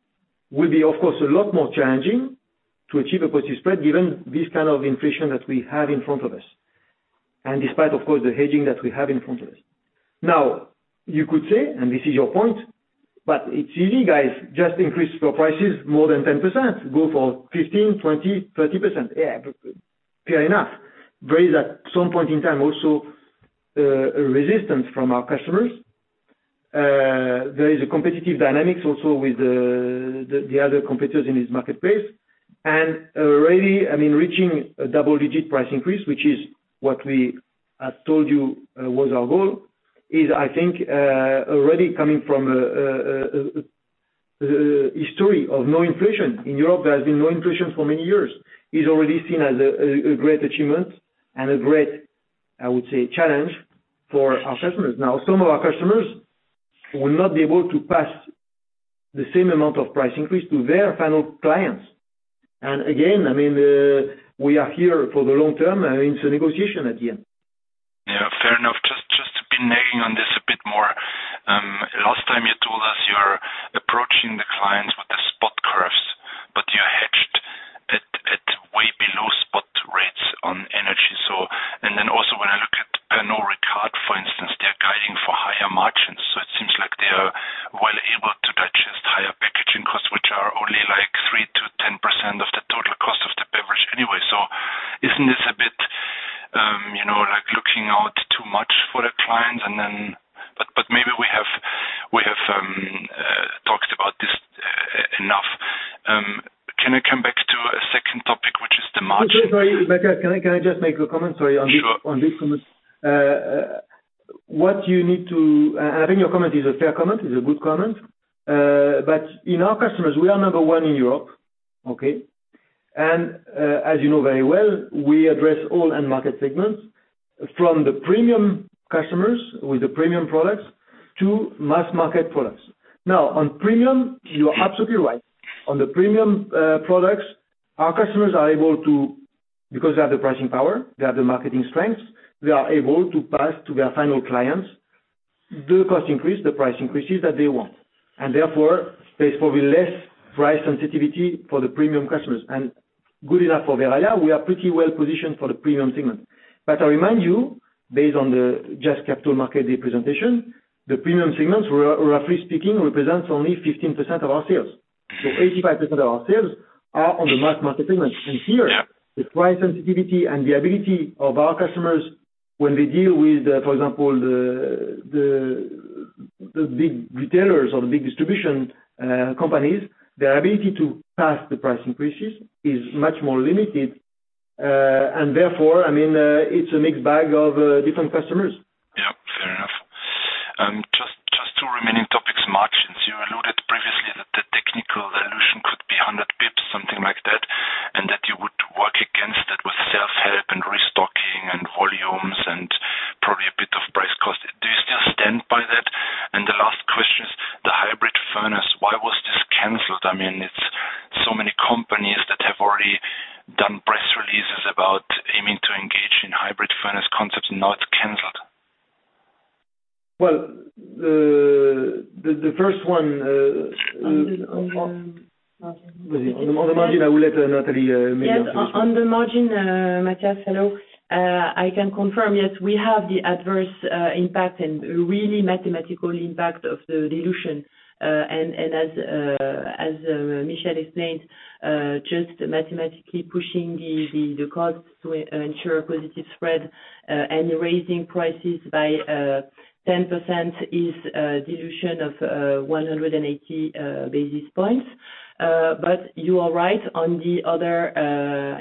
will be, of course, a lot more challenging to achieve a positive spread given this kind of inflation that we have in front of us. Despite, of course, the hedging that we have in front of us. Now, you could say, and this is your point, "But it's easy, guys, just increase your prices more than 10%. Go for 15%, 20%, 30%." Yeah, fair enough. Raising at some point in time also a resistance from our customers. There is a competitive dynamics also with the other competitors in this marketplace. Already, I mean, reaching a double-digit price increase, which is what we have told you was our goal, is, I think, already coming from a history of no inflation. In Europe, there has been no inflation for many years. It is already seen as a great achievement and a great, I would say, challenge for our customers. Now, some of our customers will not be able to pass the same amount of price increase to their final clients. Again, I mean, we are here for the long term. It's a negotiation at the end. Yeah, fair enough. Just to be nagging on this a bit more. Last time you told us you're approaching the clients with the spot curves, but you're hedged at way below spot rates on energy. When I look at Pernod Ricard, for instance, they're guiding for higher margins. It seems like they are well able to digest higher packaging costs, which are only like 3%-10% of the total cost of the beverage anyway. Isn't this a bit, you know, like looking out too much for the clients? But maybe we have talked about this enough. Can I come back to a second topic, which is the margin? Sorry. Like, can I just make a comment? Sure. On this comment, I think your comment is a fair comment, a good comment. Among our customers, we are number one in Europe, okay? As you know very well, we address all end market segments, from the premium customers with the premium products to mass market products. Now, on premium, you are absolutely right. On the premium products, our customers are able to because they have the pricing power, they have the marketing strengths, they are able to pass to their final clients the cost increase, the price increases that they want, and therefore less price sensitivity for the premium customers. Good enough for Verallia, we are pretty well positioned for the premium segment. I remind you, based on the just capital market day presentation, the premium segments, roughly speaking, represents only 15% of our sales. 85% of our sales are on the mass market segment. Here, the price sensitivity and the ability of our customers when they deal with, for example, the big retailers or the big distribution companies, their ability to pass the price increases is much more limited. Therefore, I mean, it's a mixed bag of different customers. Yeah. Fair enough. Just two remaining topics. Margins. You alluded previously that the technical dilution could be 100 basis points, something like that, and that you would work against it with self-help and restocking and volumes and probably a bit of price cost. Do you still stand by that? The last question is the hybrid furnace. Why was this canceled? I mean, it's so many companies that have already done press releases about aiming to engage in hybrid furnace concepts, now it's canceled. Well, the first one on the margin, I will let Nathalie maybe answer this one. Yes. On the margin, Matthias, hello. I can confirm, yes. We have the adverse impact and really mathematical impact of the dilution. As Michel explained, just mathematically pushing the costs to ensure a positive spread, and raising prices by 10% is dilution of 180 basis points. But you are right on the other,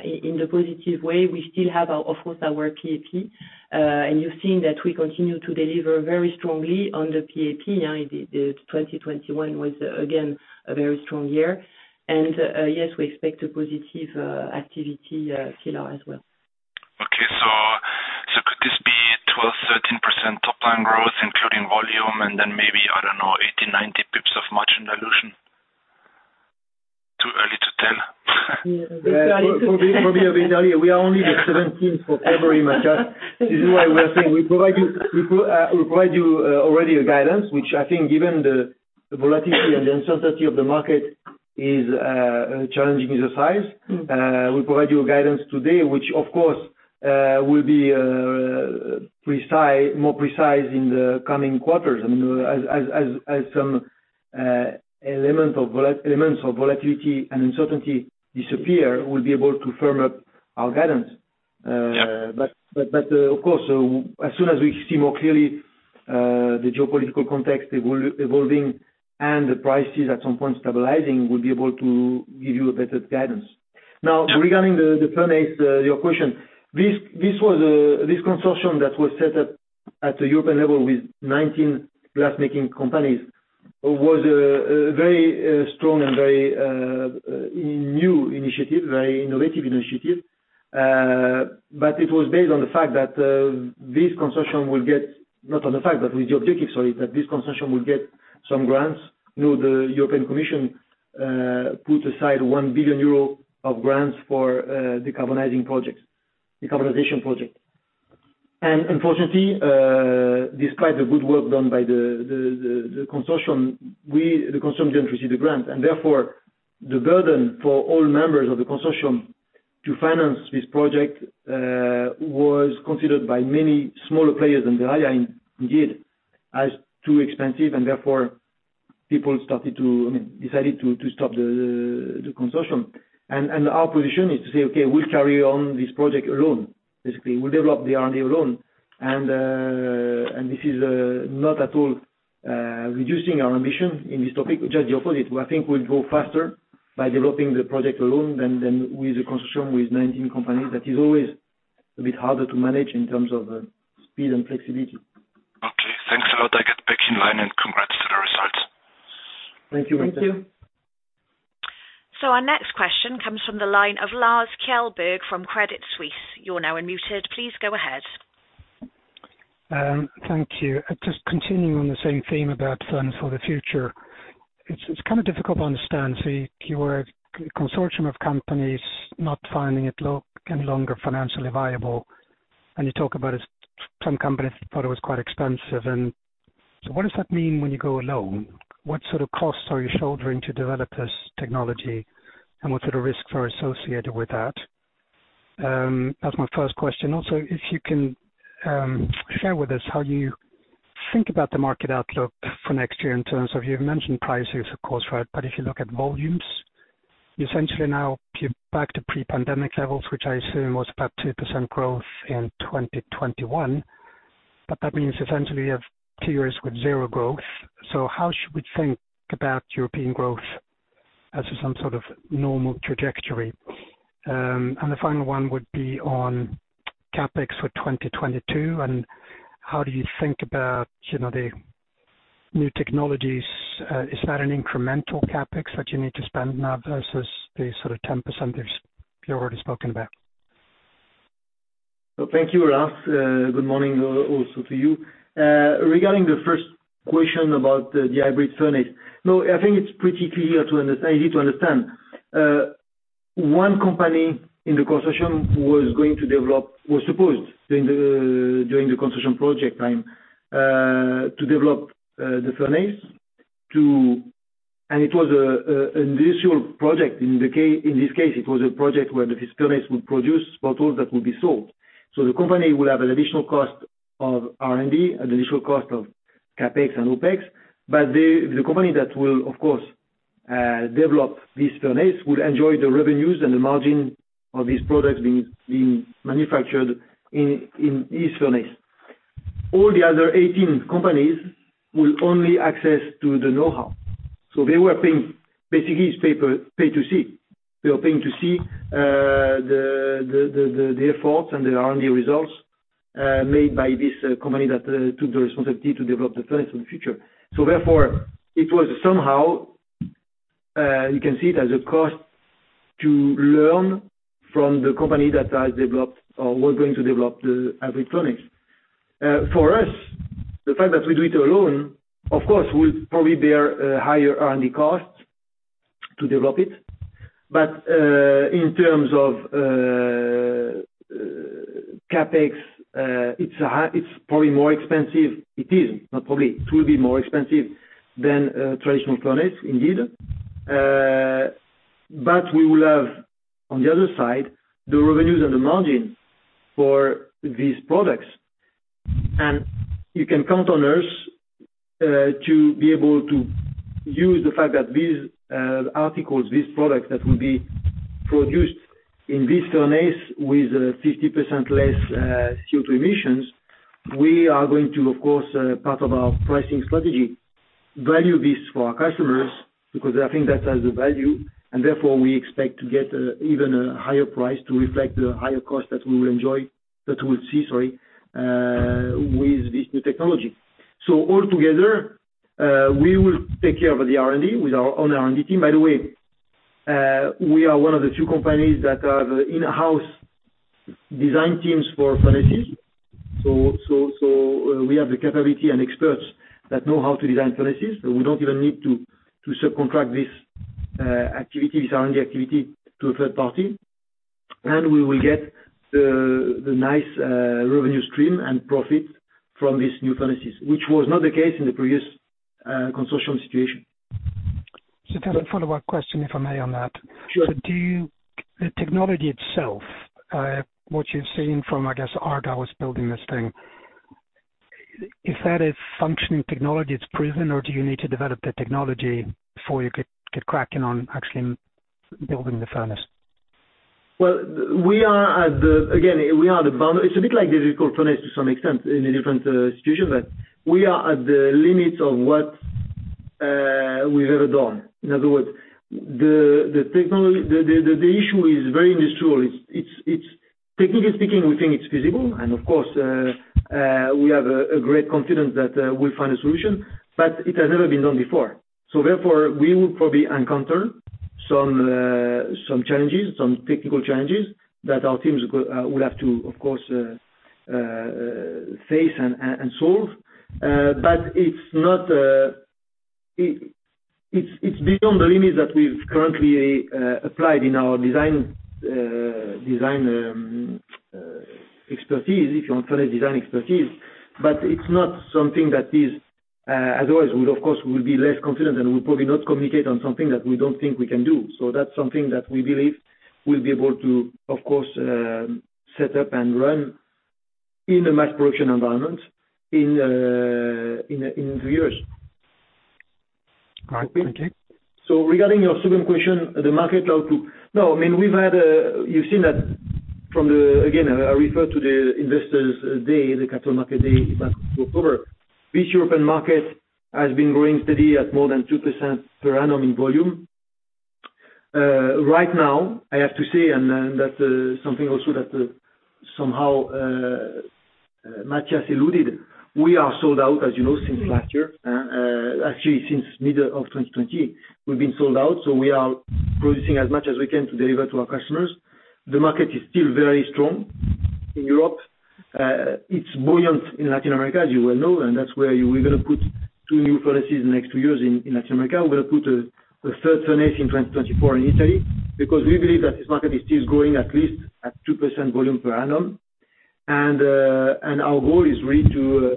in the positive way, we still have our, of course, our PAP. You've seen that we continue to deliver very strongly on the PAP. The 2021 was again a very strong year. Yes, we expect a positive activity contribution as well. Could this be 12%-13% top line growth including volume and then maybe, I don't know, 80-90 basis points of margin dilution? Too early to tell. Yeah. A bit early to. Probably a bit early. We are only the seventeenth of February, Matthias. This is why we are saying we provide you already a guidance which I think given the volatility and the uncertainty of the market is challenging to size. We provide you a guidance today which of course will be more precise in the coming quarters. I mean, as some elements of volatility and uncertainty disappear, we'll be able to firm up our guidance. Yeah. Of course, as soon as we see more clearly the geopolitical context evolving and the prices at some point stabilizing, we'll be able to give you a better guidance. Now regarding the furnace, your question. This was this consortium that was set up at the European level with 19 glass making companies a very strong and very new initiative, very innovative initiative. It was based on the fact that this consortium will get. Not on the fact, but the objective, sorry, that this consortium will get some grants. You know, the European Commission put aside 1 billion euro of grants for decarbonizing projects, decarbonization projects. Unfortunately, despite the good work done by the consortium, the consortium didn't receive the grant, and therefore the burden for all members of the consortium to finance this project was considered by many smaller players than the other indeed as too expensive, and therefore people started to, I mean, decided to stop the consortium. Our position is to say, "Okay, we'll carry on this project alone." Basically, we'll develop the R&D alone. This is not at all reducing our ambition in this topic. Just the opposite. I think we'll grow faster by developing the project alone than with the consortium with 19 companies. That is always a bit harder to manage in terms of speed and flexibility. Okay. Thanks a lot. I get back in line and congrats to the results. Thank you, Matthias. Thank you. Our next question comes from the line of Lars Kjellberg from Credit Suisse. You're now unmuted. Please go ahead. Thank you. Just continuing on the same theme about furnace for the future. It's kind of difficult to understand. So you were a consortium of companies not finding it any longer financially viable, and you talk about it, some companies thought it was quite expensive. What does that mean when you go alone? What sort of costs are you shouldering to develop this technology, and what sort of risks are associated with that? That's my first question. Also, if you can, share with us how you think about the market outlook for next year in terms of, you've mentioned prices of course, right? If you look at volumes, you essentially now back to pre-pandemic levels, which I assume was about 2% growth in 2021. That means essentially you have two years with zero growth. How should we think about European growth as some sort of normal trajectory? The final one would be on CapEx for 2022, and how do you think about, you know, the new technologies? Is that an incremental CapEx that you need to spend now versus the sort of 10% you already spoken about? Thank you, Lars. Good morning also to you. Regarding the first question about the hybrid furnace. No, I think it's pretty clear easy to understand. One company in the consortium was supposed during the consortium project time to develop the furnace. It was an initial project. In this case, it was a project where this furnace would produce bottles that would be sold. The company will have an additional cost of R&D at the initial cost of CapEx and OpEx. The company that will of course develop this furnace will enjoy the revenues and the margin of these products being manufactured in this furnace. All the other 18 companies will only access to the know-how. They were paying to see the efforts and the R&D results made by this company that took the responsibility to develop the furnace for the future. Therefore it was somehow you can see it as a cost to learn from the company that has developed or was going to develop the electric furnace. For us, the fact that we do it alone, of course will probably bear higher R&D costs to develop it. In terms of CapEx, it's probably more expensive. It is, not probably, it will be more expensive than traditional furnace indeed. We will have, on the other side, the revenues and the margin for these products. You can count on us to be able to use the fact that these articles, these products that will be produced in this furnace with 50% less CO2 emissions. We are going to of course part of our pricing strategy, value this for our customers because I think that has the value and therefore we expect to get even a higher price to reflect the higher cost that we will enjoy with this new technology. We will take care of the R&D with our own R&D team. By the way, we are one of the few companies that have in-house design teams for furnaces. We have the capability and experts that know how to design furnaces, so we don't even need to subcontract this activity, this R&D activity to a third party. We will get the nice revenue stream and profit from these new furnaces, which was not the case in the previous consortium situation. Can I follow-up question, if I may, on that? Sure. The technology itself, what you've seen from, I guess, Ardagh building this thing, is that a functioning technology that's proven, or do you need to develop the technology before you get cracking on actually building the furnace? It's a bit like the Cognac furnace to some extent in a different situation, but we are at the limits of what we've ever done. In other words, the technology, the issue is very industrial. It's technically speaking, we think it's feasible. Of course, we have great confidence that we'll find a solution, but it has never been done before. Therefore, we will probably encounter some challenges, some technical challenges that our teams will have to, of course, face and solve. But it's beyond the limits that we've currently applied in our design expertise, if you want, furnace design expertise. It's not something that is otherwise we'd of course be less confident and would probably not communicate on something that we don't think we can do. That's something that we believe we'll be able to, of course, set up and run in a mass production environment in two years. All right. Thank you. Regarding your second question, the market outlook. No, I mean, we've had, you've seen that from the, again, I refer to the Investors Day, the Capital Market Day back in October. This European market has been growing steady at more than 2% per annum in volume. Right now I have to say, and that something also that somehow Matthias alluded, we are sold out, as you know, since last year. Actually since middle of 2020, we've been sold out, so we are producing as much as we can to deliver to our customers. The market is still very strong in Europe. It's buoyant in Latin America, as you well know, and that's where we're gonna put two new furnaces in the next two years in Latin America. We're gonna put a third furnace in 2024 in Italy, because we believe that this market is still growing at least at 2% volume per annum. Our goal is really to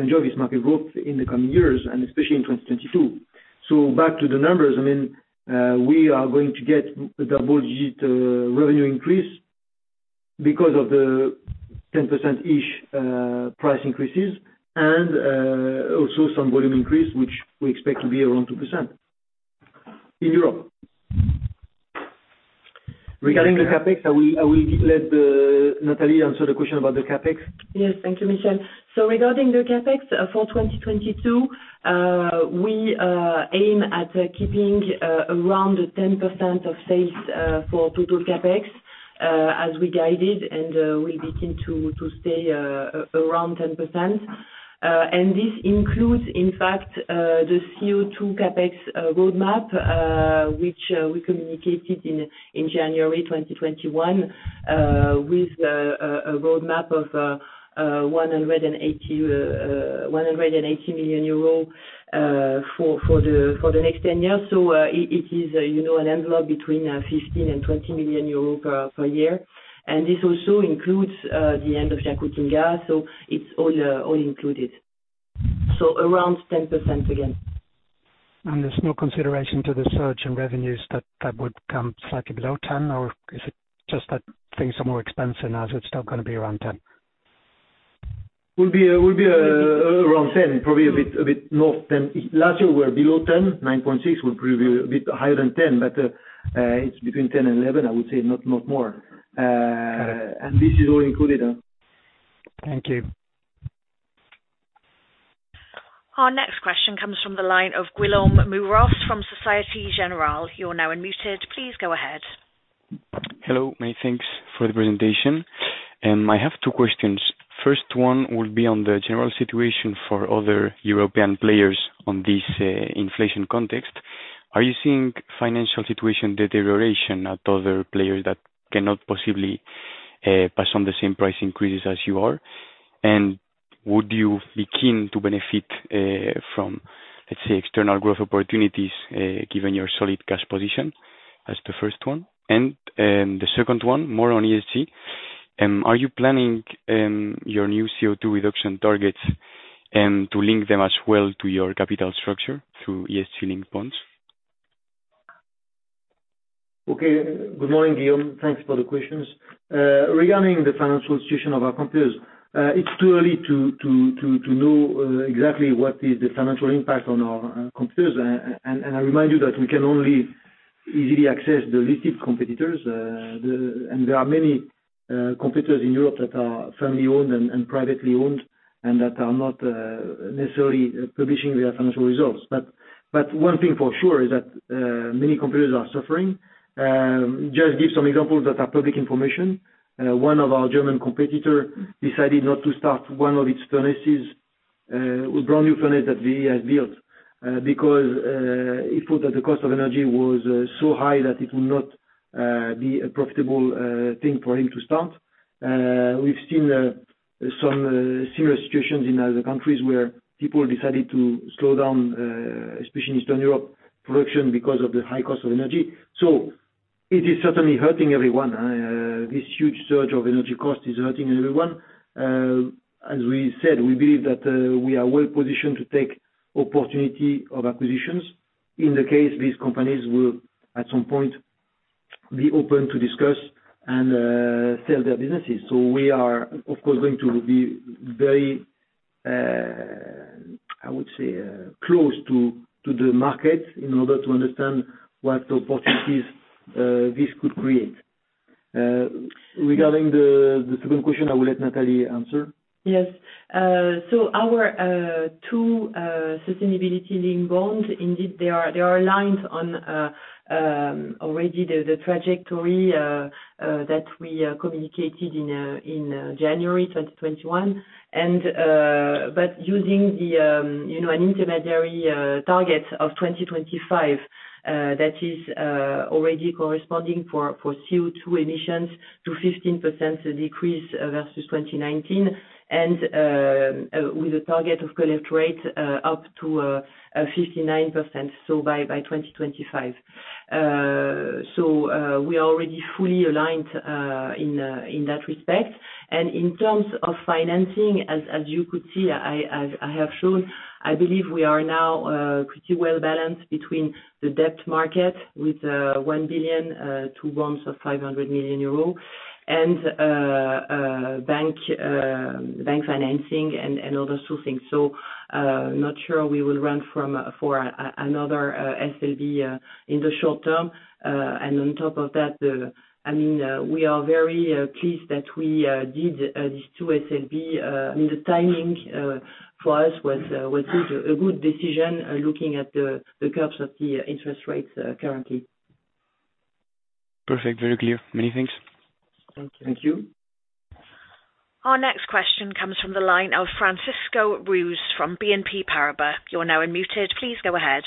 enjoy this market growth in the coming years and especially in 2022. Back to the numbers, I mean, we are going to get a double-digit revenue increase because of the 10%-ish price increases and also some volume increase, which we expect to be around 2% in Europe. Regarding the CapEx. I will let Nathalie answer the question about the CapEx. Yes. Thank you, Michel. Regarding the CapEx for 2022, we aim at keeping around 10% of sales for total CapEx, as we guided. We're looking to stay around 10%. This includes, in fact, the CO2 CapEx roadmap, which we communicated in January 2021, with a roadmap of 180 million euro for the next 10 years. It is, you know, an envelope between 15 million and 20 million euro per year. This also includes the end of Jacutinga. It's all included. Around 10% again. There's no consideration to the surge in revenues that would come slightly below 10%, or is it just that things are more expensive now, so it's still gonna be around 10%? Will be around 10%, probably a bit more than last year. We were below 10%, 9.6%. We probably be a bit higher than 10%, but it's between 10% and 11%, I would say, not more. This is all included. Thank you. Our next question comes from the line of Guillaume Muros from Société Générale. You're now unmuted, please go ahead. Hello. Many thanks for the presentation. I have two questions. First one will be on the general situation for other European players on this, inflation context. Are you seeing financial situation deterioration at other players that cannot possibly, pass on the same price increases as you are? And would you be keen to benefit, from, let's say, external growth opportunities, given your solid cash position? That's the first one. The second one, more on ESG, are you planning, your new CO2 reduction targets, to link them as well to your capital structure through ESG-linked bonds? Okay. Good morning, Guillaume. Thanks for the questions. Regarding the financial situation of our competitors, it's too early to know exactly what is the financial impact on our competitors. I remind you that we can only easily access the listed competitors. There are many competitors in Europe that are family-owned and privately-owned, and that are not necessarily publishing their financial results. One thing for sure is that many competitors are suffering. Just give some examples that are public information. One of our German competitors decided not to start one of its furnaces, a brand-new furnace that he has built, because he thought that the cost of energy was so high that it would not be a profitable thing for him to start. We've seen some similar situations in other countries where people decided to slow down, especially in Eastern Europe, production because of the high cost of energy. It is certainly hurting everyone. This huge surge of energy cost is hurting everyone. As we said, we believe that we are well-positioned to take opportunity of acquisitions in the case these companies will, at some point, be open to discuss and sell their businesses. We are of course going to be very, I would say, close to the market in order to understand what opportunities this could create. Regarding the second question, I will let Nathalie answer. Yes. Our two sustainability-linked bonds, indeed they are aligned on already the trajectory that we communicated in January 2021. Using you know an intermediary target of 2025, that is already corresponding for CO2 emissions to 15% decrease versus 2019, and with a target of cullet rate up to 59%, so by 2025. We are already fully aligned in that respect. In terms of financing, as you could see, I have shown, I believe we are now pretty well-balanced between the debt market with 1 billion two bonds of 500 million euro and bank financing and other sourcing. Not sure we will run for another SLB in the short term. On top of that, I mean, we are very pleased that we did these two SLB. The timing for us was good, a good decision, looking at the curves of the interest rates currently. Perfect. Very clear. Many thanks. Thank you. Our next question comes from the line of Francisco Ruiz from BNP Paribas. You're now unmuted, please go ahead.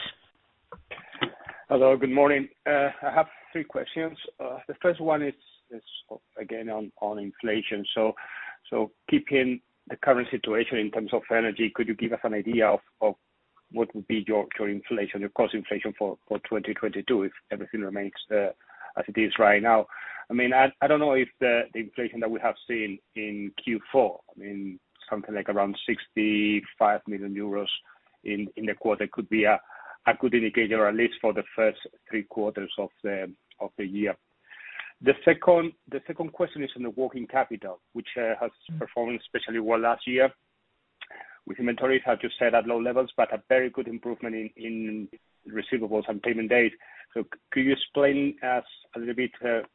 Hello, good morning. I have three questions. The first one is again on inflation. Keeping the current situation in terms of energy, could you give us an idea of what would be your current inflation, your cost inflation for 2022 if everything remains as it is right now? I mean, I don't know if the inflation that we have seen in Q4, I mean, something like around 65 million euros in the quarter could be a good indicator, or at least for the first three quarters of the year. The second question is on the working capital, which has performed especially well last year, with inventories which stayed at low levels, but a very good improvement in receivables and payment dates. Could you explain us a little bit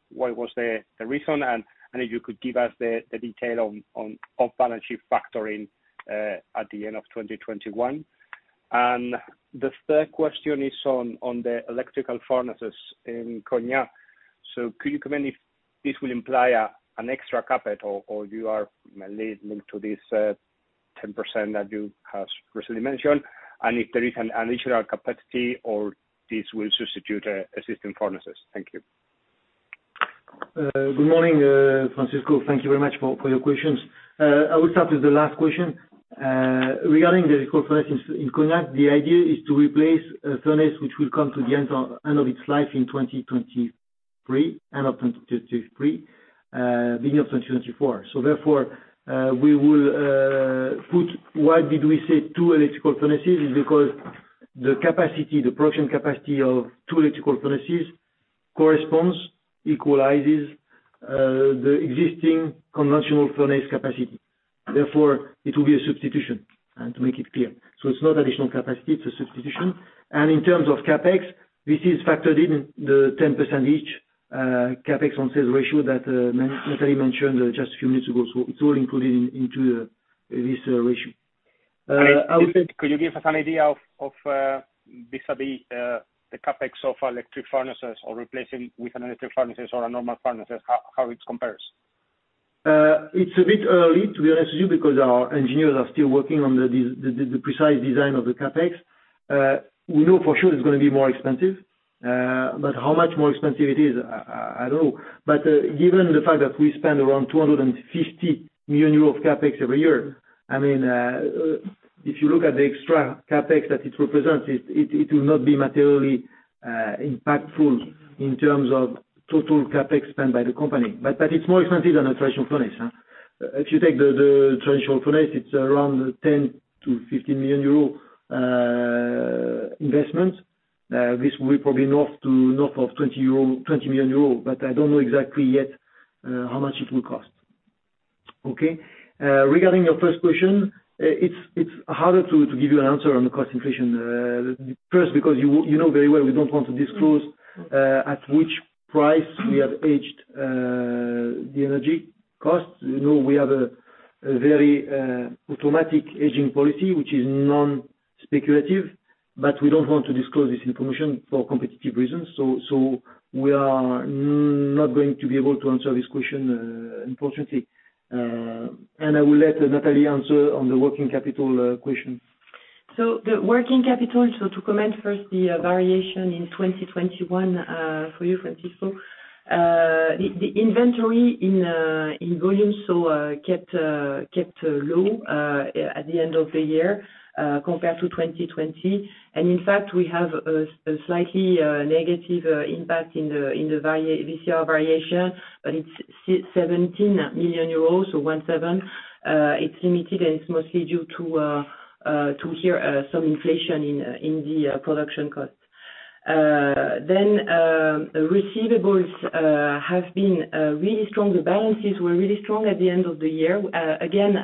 what was the reason, and if you could give us the detail on balance sheet factoring at the end of 2021? The third question is on the electric furnaces in Cognac. Could you comment if this will imply an extra CapEx or you are mainly linked to this 10% that you have recently mentioned? If there is an additional capacity or this will substitute existing furnaces. Thank you. Good morning, Francisco. Thank you very much for your questions. I will start with the last question. Regarding the new furnace in Cognac, the idea is to replace a furnace which will come to the end of its life in 2023, beginning of 2024. Why did we say two electrical furnaces is because the production capacity of two electrical furnaces corresponds, equalizes the existing conventional furnace capacity. Therefore, it will be a substitution, and to make it clear. It's not additional capacity, it's a substitution. In terms of CapEx, this is factored in the 10% each CapEx on sales ratio that Nathalie mentioned just a few minutes ago, so it's all included into this ratio. I would think. Could you give us an idea of vis-à-vis the CapEx of electric furnaces or replacing with electric furnaces or normal furnaces, how it compares? It's a bit early, to be honest with you, because our engineers are still working on the precise design of the CapEx. We know for sure it's gonna be more expensive, but how much more expensive it is, I don't know. Given the fact that we spend around 250 million euro of CapEx every year, I mean, if you look at the extra CapEx that it represents, it will not be materially impactful in terms of total CapEx spent by the company. It's more expensive than a traditional furnace. If you take the traditional furnace, it's around 10 million-15 million euro investment. This will be probably north of 20 million euro, but I don't know exactly yet how much it will cost. Okay. Regarding your first question, it's harder to give you an answer on the cost inflation, first because you know very well we don't want to disclose at which price we have hedged the energy costs. You know, we have a very automatic hedging policy, which is non-speculative, but we don't want to disclose this information for competitive reasons. We are not going to be able to answer this question, unfortunately. I will let Nathalie answer on the working capital question. The working capital, to comment first on the variation in 2021, for you, Francisco, the inventory in volume kept low at the end of the year compared to 2020. In fact, we have a slightly negative impact in the variation this year, but it's 17 million euros. It's limited, and it's mostly due to higher inflation in the production cost. Receivables have been really strong. The balances were really strong at the end of the year. Again,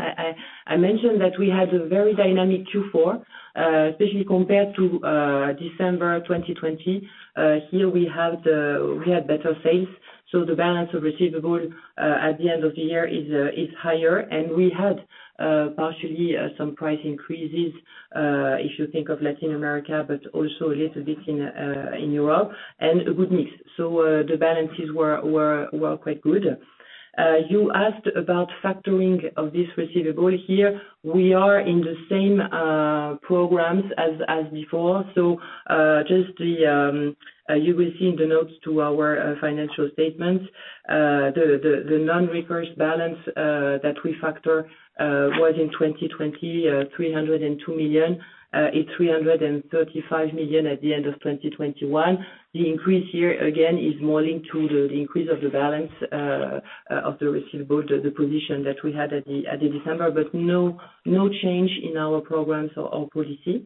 I mentioned that we had a very dynamic Q4, especially compared to December 2020. Here we have better sales, so the balance of receivables at the end of the year is higher. We had partially some price increases if you think of Latin America, but also a little bit in Europe, and a good mix. The balances were quite good. You asked about factoring of this receivable here. We are in the same programs as before. You will see in the notes to our financial statements the non-recourse balance that we factor was in 2020 302 million. It's 335 million at the end of 2021. The increase here again is more linked to the increase of the balance of the receivable, the position that we had at the December. No change in our programs or policy.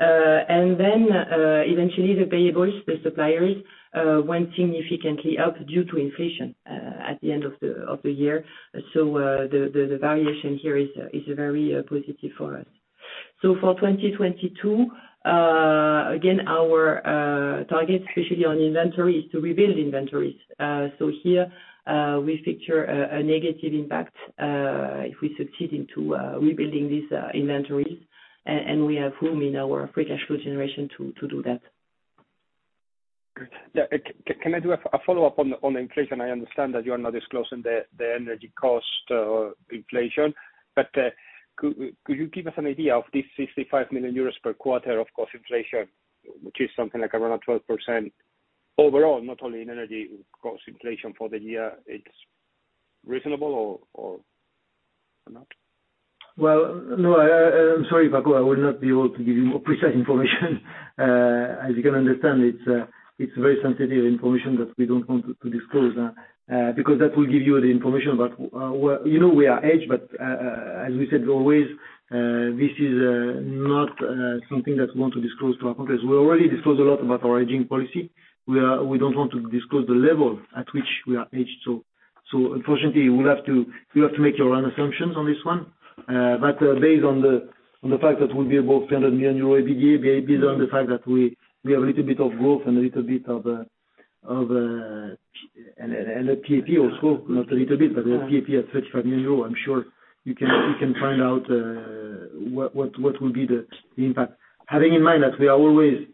Eventually the payables, the suppliers, went significantly up due to inflation at the end of the year. The variation here is very positive for us. For 2022, again, our targets, especially on inventory, is to rebuild inventories. Here, we picture a negative impact if we succeed in rebuilding these inventories. We have room in our free cash flow generation to do that. Great. Yeah, can I do a follow-up on inflation? I understand that you are not disclosing the energy cost or inflation, but could you give us an idea of this 65 million euros per quarter of cost inflation, which is something like around 12% overall, not only in energy cost inflation for the year, it's reasonable or not? Well, no, I'm sorry, Francisco, I will not be able to give you more precise information. As you can understand, it's very sensitive information that we don't want to disclose. Because that will give you the information about, well, you know, we are hedged, but, as we said always, this is not something that we want to disclose to our competitors. We already disclose a lot about our hedging policy. We don't want to disclose the level at which we are hedged to. Unfortunately, you will have to make your own assumptions on this one. Based on the fact that we'll be above 300 million euro EBITDA, based on the fact that we have a little bit of growth and a little bit of PAP also, not a little bit, but the PAP at 35 million euro, I'm sure you can find out what will be the impact. Having in mind that we are always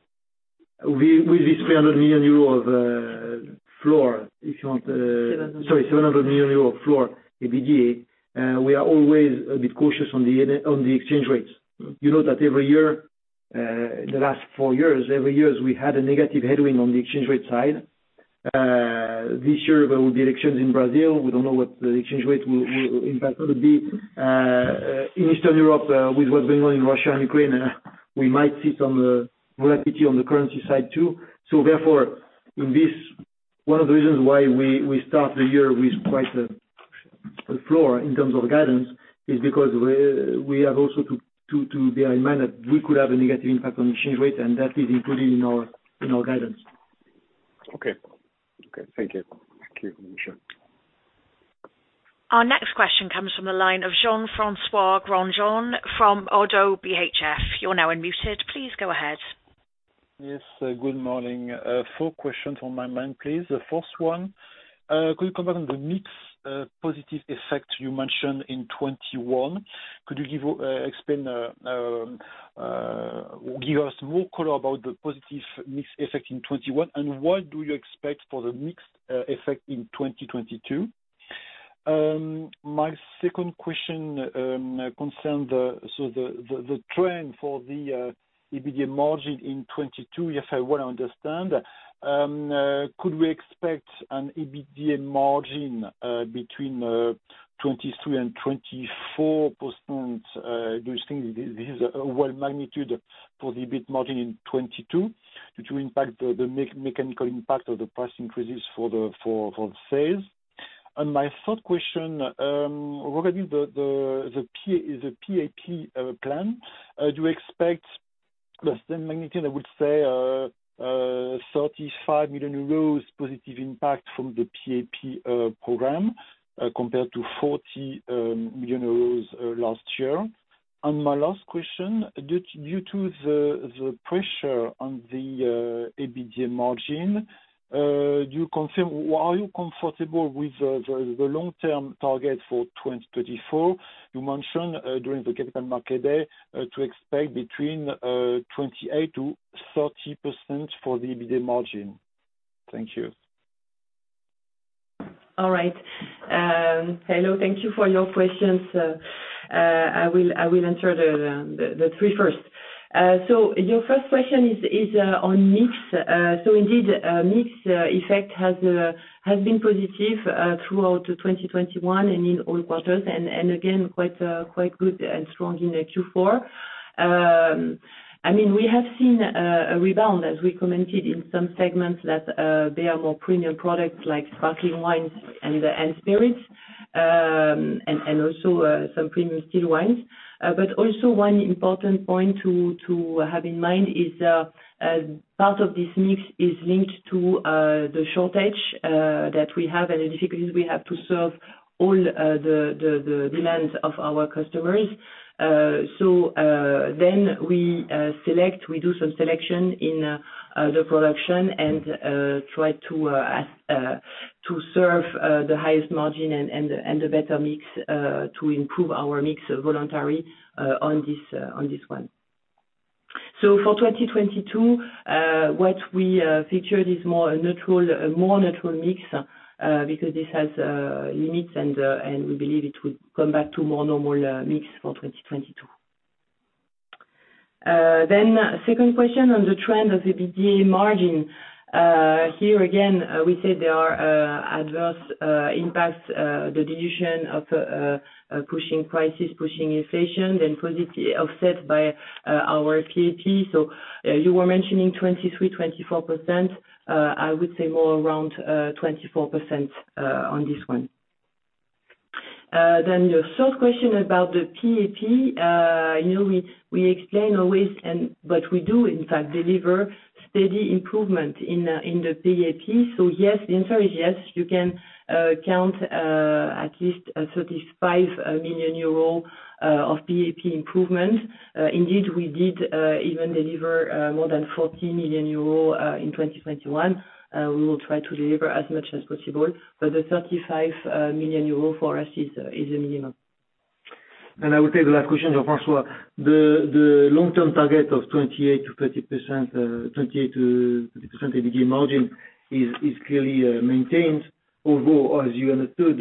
with this 300 million euro of floor, if you want. Seven. Sorry, 700 million euro of floor EBITDA, we are always a bit cautious on the exchange rates. You know that every year, the last four years, every year, we had a negative headwind on the exchange rate side. This year, there will be elections in Brazil. We don't know what the exchange rate will in fact gonna be. In Eastern Europe, with what's been going on in Russia and Ukraine, we might see some volatility on the currency side too. Therefore, one of the reasons why we start the year with quite a floor in terms of guidance is because we have also to bear in mind that we could have a negative impact on exchange rate, and that is included in our guidance. Okay. Okay. Thank you. Thank you, Michel. Our next question comes from the line of Jean-François Granjon from Oddo BHF. You're now unmuted. Please go ahead. Yes, good morning. Four questions on my mind, please. The first one, could you comment on the mix positive effect you mentioned in 2021? Could you give us more color about the positive mix effect in 2021, and what do you expect for the mix effect in 2022? My second question concerns the trend for the EBITDA margin in 2022. If I want to understand, could we expect an EBITDA margin between 23%-24%? Do you think this is a wide magnitude for the EBIT margin in 2022, which will impact the mechanical impact of the price increases for the sales? My third question, regarding the PAP plan, do you expect the same magnitude, I would say, 35 million euros positive impact from the PAP program, compared to 40 million euros last year? My last question, due to the pressure on the EBITDA margin, do you confirm or are you comfortable with the long-term target for 2024? You mentioned during the Capital Market Day to expect between 28%-30% for the EBITDA margin. Thank you. All right. Hello. Thank you for your questions. I will answer the three first. Your first question is on mix. Indeed, mix effect has been positive throughout 2021 and in all quarters, and again, quite good and strong in Q4. I mean, we have seen a rebound as we commented in some segments that they are more premium products like sparkling wines and spirits, and also some premium still wines. Also one important point to have in mind is part of this mix is linked to the shortage that we have and the difficulties we have to serve all the demands of our customers. We do some selection in the production and try to serve the highest margin and the better mix to improve our mix voluntarily on this one. For 2022, what we featured is a more neutral mix because this has limits and we believe it will come back to more normal mix for 2022. Second question on the trend of EBITDA margin. Here again, we said there are adverse impacts, the dilution of pricing, passing inflation, positive offset by our PAP. You were mentioning 23%-24%. I would say more around 24% on this one. Your third question about the PAP. You know, we explain always, but we do in fact deliver steady improvement in the PAP. Yes, the answer is yes. You can count at least 35 million euros of PAP improvement. Indeed, we did even deliver more than 40 million euros in 2021. We will try to deliver as much as possible, but the 35 million euros for us is a minimum. I would take the last question, Jean-François. The long-term target of 28%-30% EBITDA margin is clearly maintained. Although, as you understood,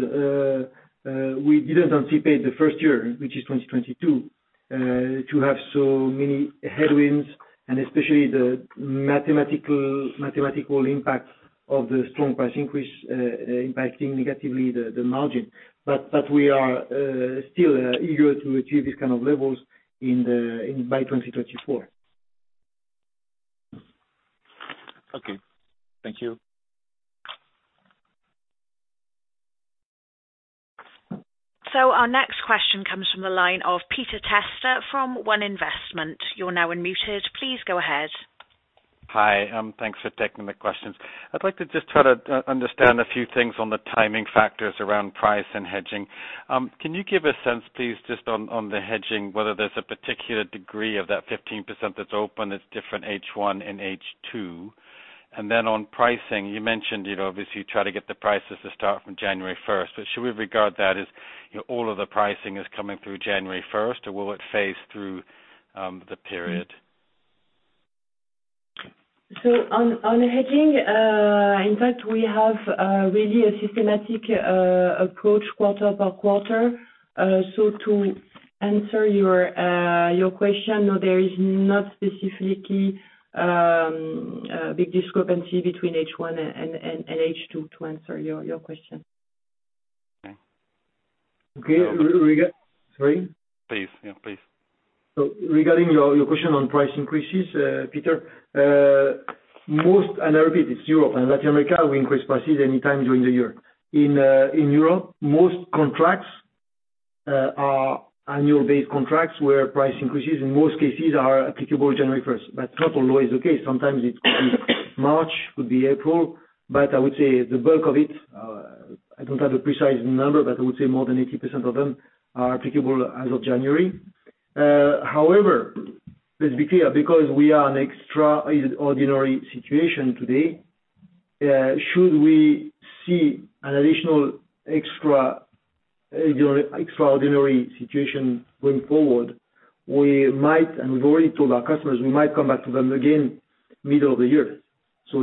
we didn't anticipate the first year, which is 2022, to have so many headwinds and especially the mathematical impacts of the strong price increase impacting negatively the margin. But we are still eager to achieve these kind of levels by 2024. Okay. Thank you. Our next question comes from the line of Peter Testa from One Investments. You're now unmuted. Please go ahead. Hi. Thanks for taking the questions. I'd like to just try to understand a few things on the timing factors around price and hedging. Can you give a sense, please, just on the hedging, whether there's a particular degree of that 15% that's open that's different H1 and H2? And then on pricing, you mentioned, you know, obviously you try to get the prices to start from January first, but should we regard that as, you know, all of the pricing is coming through January first, or will it phase through the period? On hedging, in fact, we have really a systematic approach quarter per quarter. To answer your question, no, there is not specifically a big discrepancy between H1 and H2, to answer your question. Okay. Okay. Sorry. Please. Yeah, please. Regarding your question on price increases, Peter, most, and I repeat, it's Europe and Latin America, we increase prices anytime during the year. In Europe, most contracts are annual based contracts, where price increases in most cases are applicable January 1st. It's not always the case. Sometimes it's March, could be April, but I would say the bulk of it, I don't have a precise number, but I would say more than 80% of them are applicable as of January. However, let's be clear, because we are in an extraordinary situation today, should we see an additional extraordinary situation going forward, we might, and we've already told our customers, we might come back to them again middle of the year.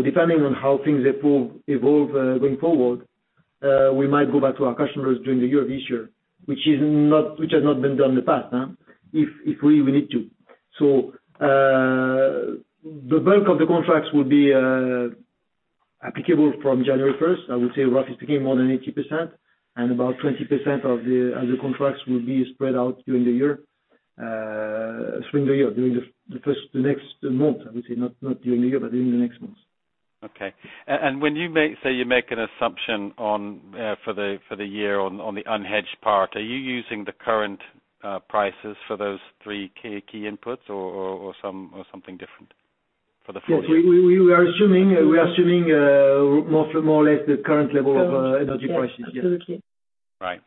Depending on how things evolve going forward, we might go back to our customers during the year this year, which has not been done in the past, if we need to. The bulk of the contracts will be applicable from January 1st, I would say roughly speaking more than 80%, and about 20% of the contracts will be spread out during the next months, I would say, not during the year, but during the next months. Okay. When you make an assumption on for the year on the unhedged part, are you using the current prices for those three key inputs or something different for the full year? Yes. We are assuming more or less the current level of energy prices. Yes. Absolutely. Right.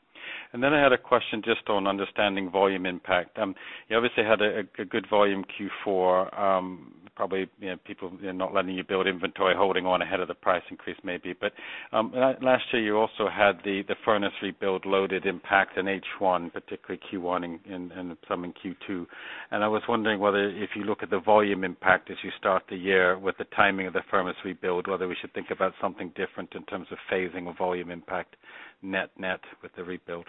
Then I had a question just on understanding volume impact. You obviously had a good volume Q4, probably, you know, people, you know, not letting you build inventory, holding on ahead of the price increase maybe. Last year you also had the furnace rebuild loaded impact in H1, particularly Q1 and some in Q2. I was wondering whether if you look at the volume impact as you start the year with the timing of the furnace rebuild, whether we should think about something different in terms of phasing or volume impact net-net with the rebuild.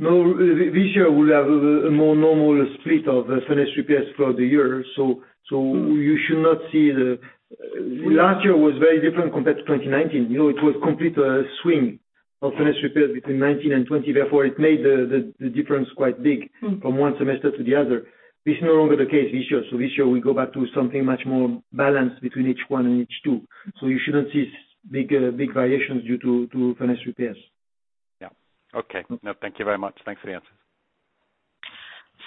No, this year we have a more normal split of the furnace repairs throughout the year. You should not see, last year was very different compared to 2019. You know, it was complete swing of furnace repairs between 2019 and 2020, therefore it made the difference quite big from one semester to the other. This is no longer the case this year. This year we go back to something much more balanced between H1 and H2. You shouldn't see big variations due to furnace repairs. Yeah. Okay. No, thank you very much. Thanks for the answers.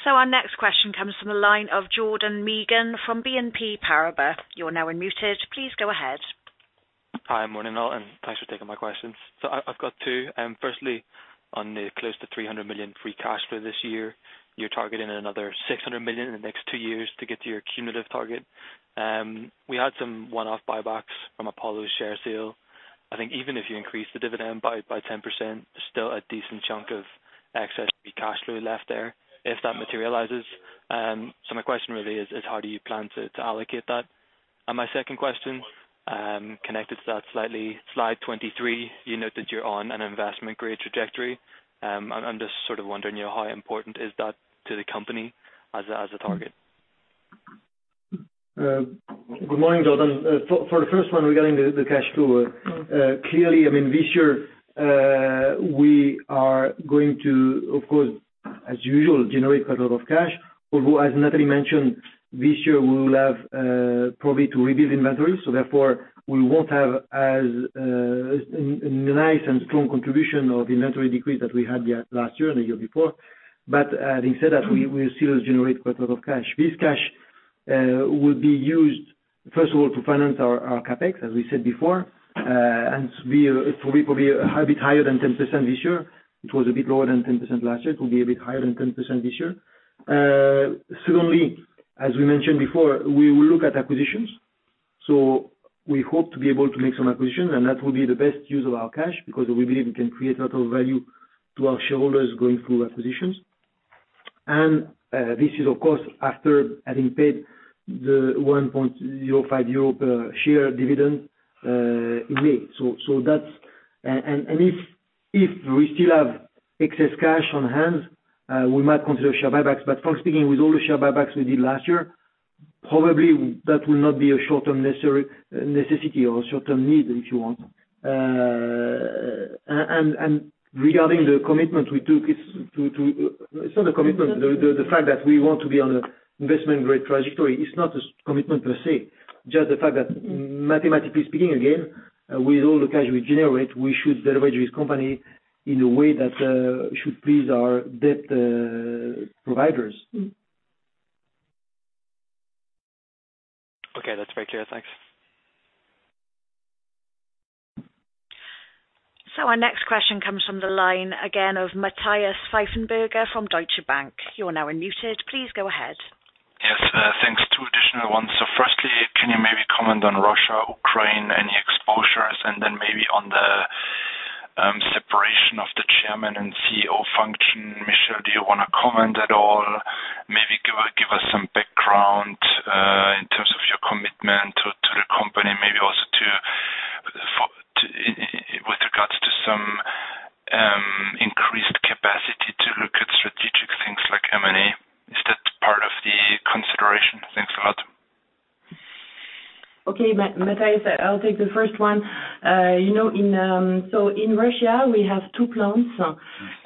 Our next question comes from the line of Jordan [Megan] from BNP Paribas. You're now unmuted. Please go ahead. Hi. Morning, all, and thanks for taking my questions. I have got two. Firstly, on the close to 300 million free cash flow this year, you are targeting another 600 million in the next two years to get to your cumulative target. We had some one-off buybacks from Apollo share sale. I think even if you increase the dividend by 10%, there is still a decent chunk of excess free cash flow left there if that materializes. My question really is how do you plan to allocate that? My second question, connected to that slightly, slide 23, you noted you are on an investment-grade trajectory. I am just sort of wondering how important is that to the company as a target? Good morning, Jordan. For the first one regarding the cash flow, clearly, I mean this year, we are going to, of course, as usual, generate quite a lot of cash. Although as Nathalie mentioned, this year we will have probably to rebuild inventories, so therefore we won't have as nice and strong contribution of inventory decrease that we had yeah, last year and the year before. They said that we still generate quite a lot of cash. This cash will be used, first of all, to finance our CapEx, as we said before, and it will be probably a bit higher than 10% this year. It was a bit lower than 10% last year. It will be a bit higher than 10% this year. Secondly, as we mentioned before, we will look at acquisitions, so we hope to be able to make some acquisitions, and that will be the best use of our cash because we believe we can create a lot of value to our shareholders going through acquisitions. This is of course after having paid the 1.05 euro per share dividend in May. So that's. And if we still have excess cash on hand, we might consider share buybacks, but first beginning with all the share buybacks we did last year, probably that will not be a short-term necessity or short-term need, if you want. Regarding the commitment we took is to. It's not a commitment, the fact that we want to be on an investment-grade trajectory is not a commitment per se, just the fact that mathematically speaking again, with all the cash we generate, we should leverage this company in a way that should please our debt providers. Okay. That's very clear. Thanks. Our next question comes from the line again of Matthias Pfeifenberger from Deutsche Bank. You are now unmuted. Please go ahead. Yes, thanks. Two additional ones. Firstly, can you maybe comment on Russia, Ukraine, any exposures? Then maybe on the separation of the chairman and CEO function. Michel, do you wanna comment at all? Maybe give us some background in terms of your commitment to the company, maybe also with regards to some increased capacity to look at strategic things like M&A. Is that part of the consideration? Thanks a lot. Okay, Matthias, I'll take the first one. You know, in Russia, we have two plants.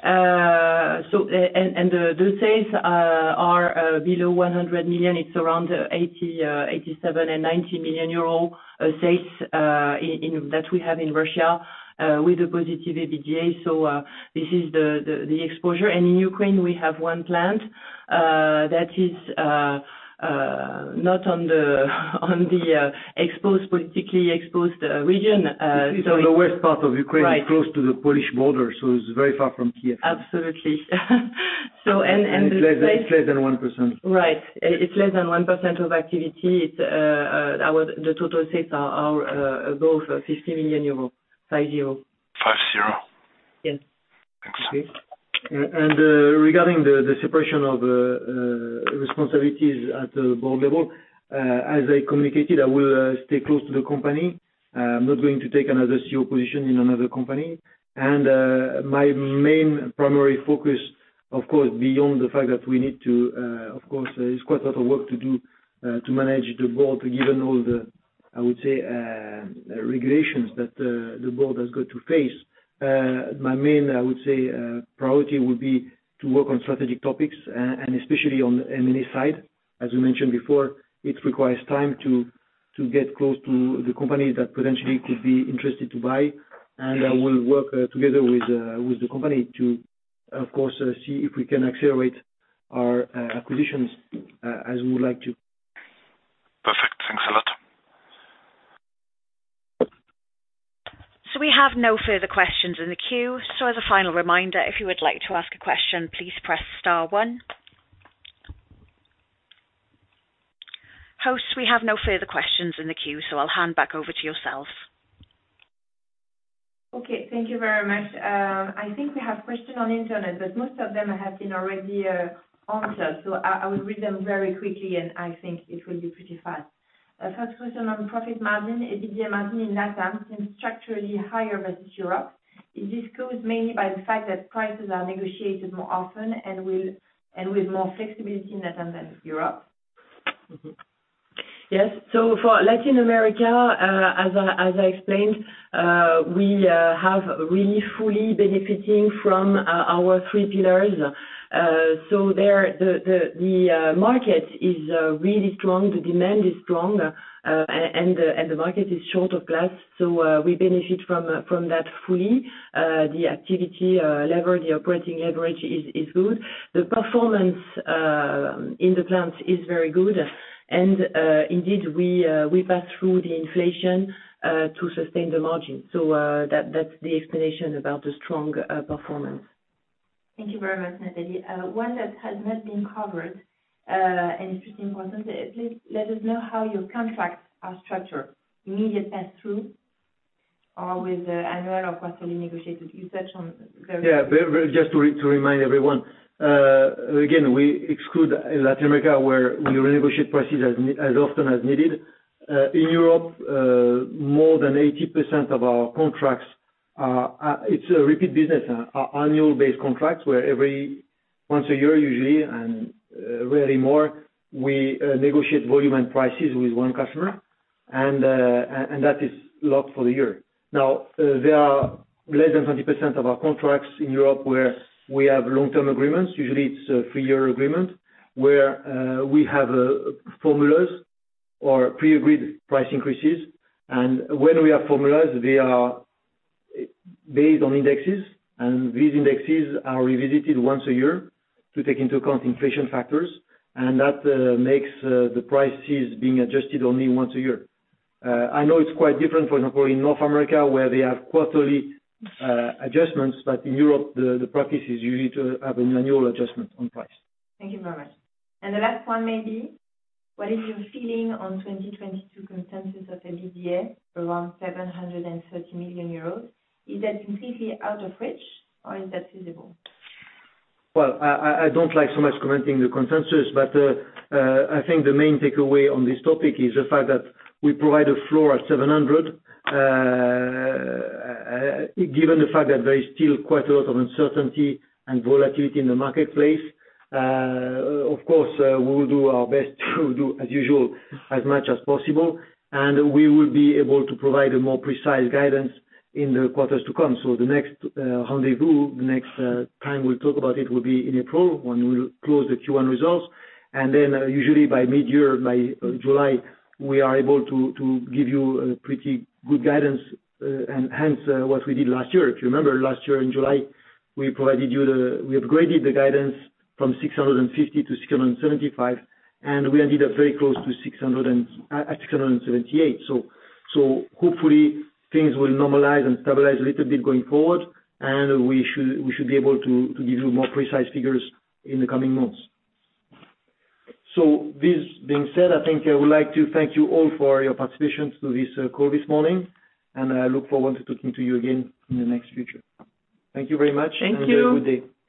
The sales are below 100 million. It's around 87 million and 90 million euro sales in that we have in Russia with a positive EBITDA. This is the exposure. In Ukraine, we have one plant that is not on the politically exposed region, so. It is on the worst part of Ukraine. Right. Close to the Polish border, so it's very far from Kyiv. Absolutely. The sales It's less than 1%. Right. It's less than 1% of activity. It's our. The total sales are above 50 million euros. 50? Yes. Thanks. Regarding the separation of responsibilities at the board level, as I communicated, I will stay close to the company. I'm not going to take another CEO position in another company. My main primary focus, of course, beyond the fact that we need to, of course, there's quite a lot of work to do to manage the board, given all the, I would say, regulations that the board has got to face. My main, I would say, priority would be to work on strategic topics, and especially on the M&A side. As we mentioned before, it requires time to get close to the company that potentially could be interested to buy. I will work together with the company to, of course, see if we can accelerate our acquisitions as we would like to. Perfect. Thanks a lot. So we have no further questions in the queue. So as a final reminder, if you would like to ask a question, please press star one. Hosts, we have no further questions in the queue, so I'll hand back over to yourselves. Okay, thank you very much. I think we have question on internet, but most of them have been already answered. I will read them very quickly, and I think it will be pretty fast. First question on profit margin. EBITDA margin in Latam seems structurally higher versus Europe. Is this caused mainly by the fact that prices are negotiated more often and with more flexibility in Latam than Europe? For Latin America, as I explained, we have really fully benefiting from our three pillars. There, the market is really strong, the demand is strong, and the market is short of glass. We benefit from that fully. The activity, the operating leverage is good. The performance in the plants is very good. Indeed, we pass through the inflation to sustain the margin. That's the explanation about the strong performance. Thank you very much, Nathalie. One that has not been covered and it's important, please let us know how your contracts are structured. Immediate pass-through or with annual or quarterly negotiated. You said on very. Just to remind everyone, again, we exclude Latin America, where we renegotiate prices as often as needed. In Europe, more than 80% of our contracts are repeat business, annual-based contracts, where once a year usually, and rarely more, we negotiate volume and prices with one customer, and that is locked for the year. Now, there are less than 20% of our contracts in Europe where we have long-term agreements. Usually, it's a three-year agreement where we have formulas or pre-agreed price increases. When we have formulas, they are based on indexes, and these indexes are revisited once a year to take into account inflation factors, and that makes the prices being adjusted only once a year. I know it's quite different, for example, in North America, where they have quarterly adjustments, but in Europe, the practice is usually to have an annual adjustment on price. Thank you very much. The last one may be, what is your feeling on 2022 consensus of EBITDA, around 730 million euros? Is that completely out of reach or is that feasible? Well, I don't like so much commenting the consensus, but I think the main takeaway on this topic is the fact that we provide a floor at 700. Given the fact that there is still quite a lot of uncertainty and volatility in the marketplace, of course, we will do our best to do as usual, as much as possible, and we will be able to provide a more precise guidance in the quarters to come. The next rendezvous, the next time we'll talk about it will be in April when we'll close the Q1 results. Then usually by mid-year, by July, we are able to give you a pretty good guidance, and hence what we did last year. If you remember last year in July, we provided you the. We upgraded the guidance from 650 to 675, and we ended up very close to 678. Hopefully things will normalize and stabilize a little bit going forward, and we should be able to give you more precise figures in the coming months. This being said, I think I would like to thank you all for your participation to this call this morning, and I look forward to talking to you again in the near future. Thank you very much. Thank you. Have a good day.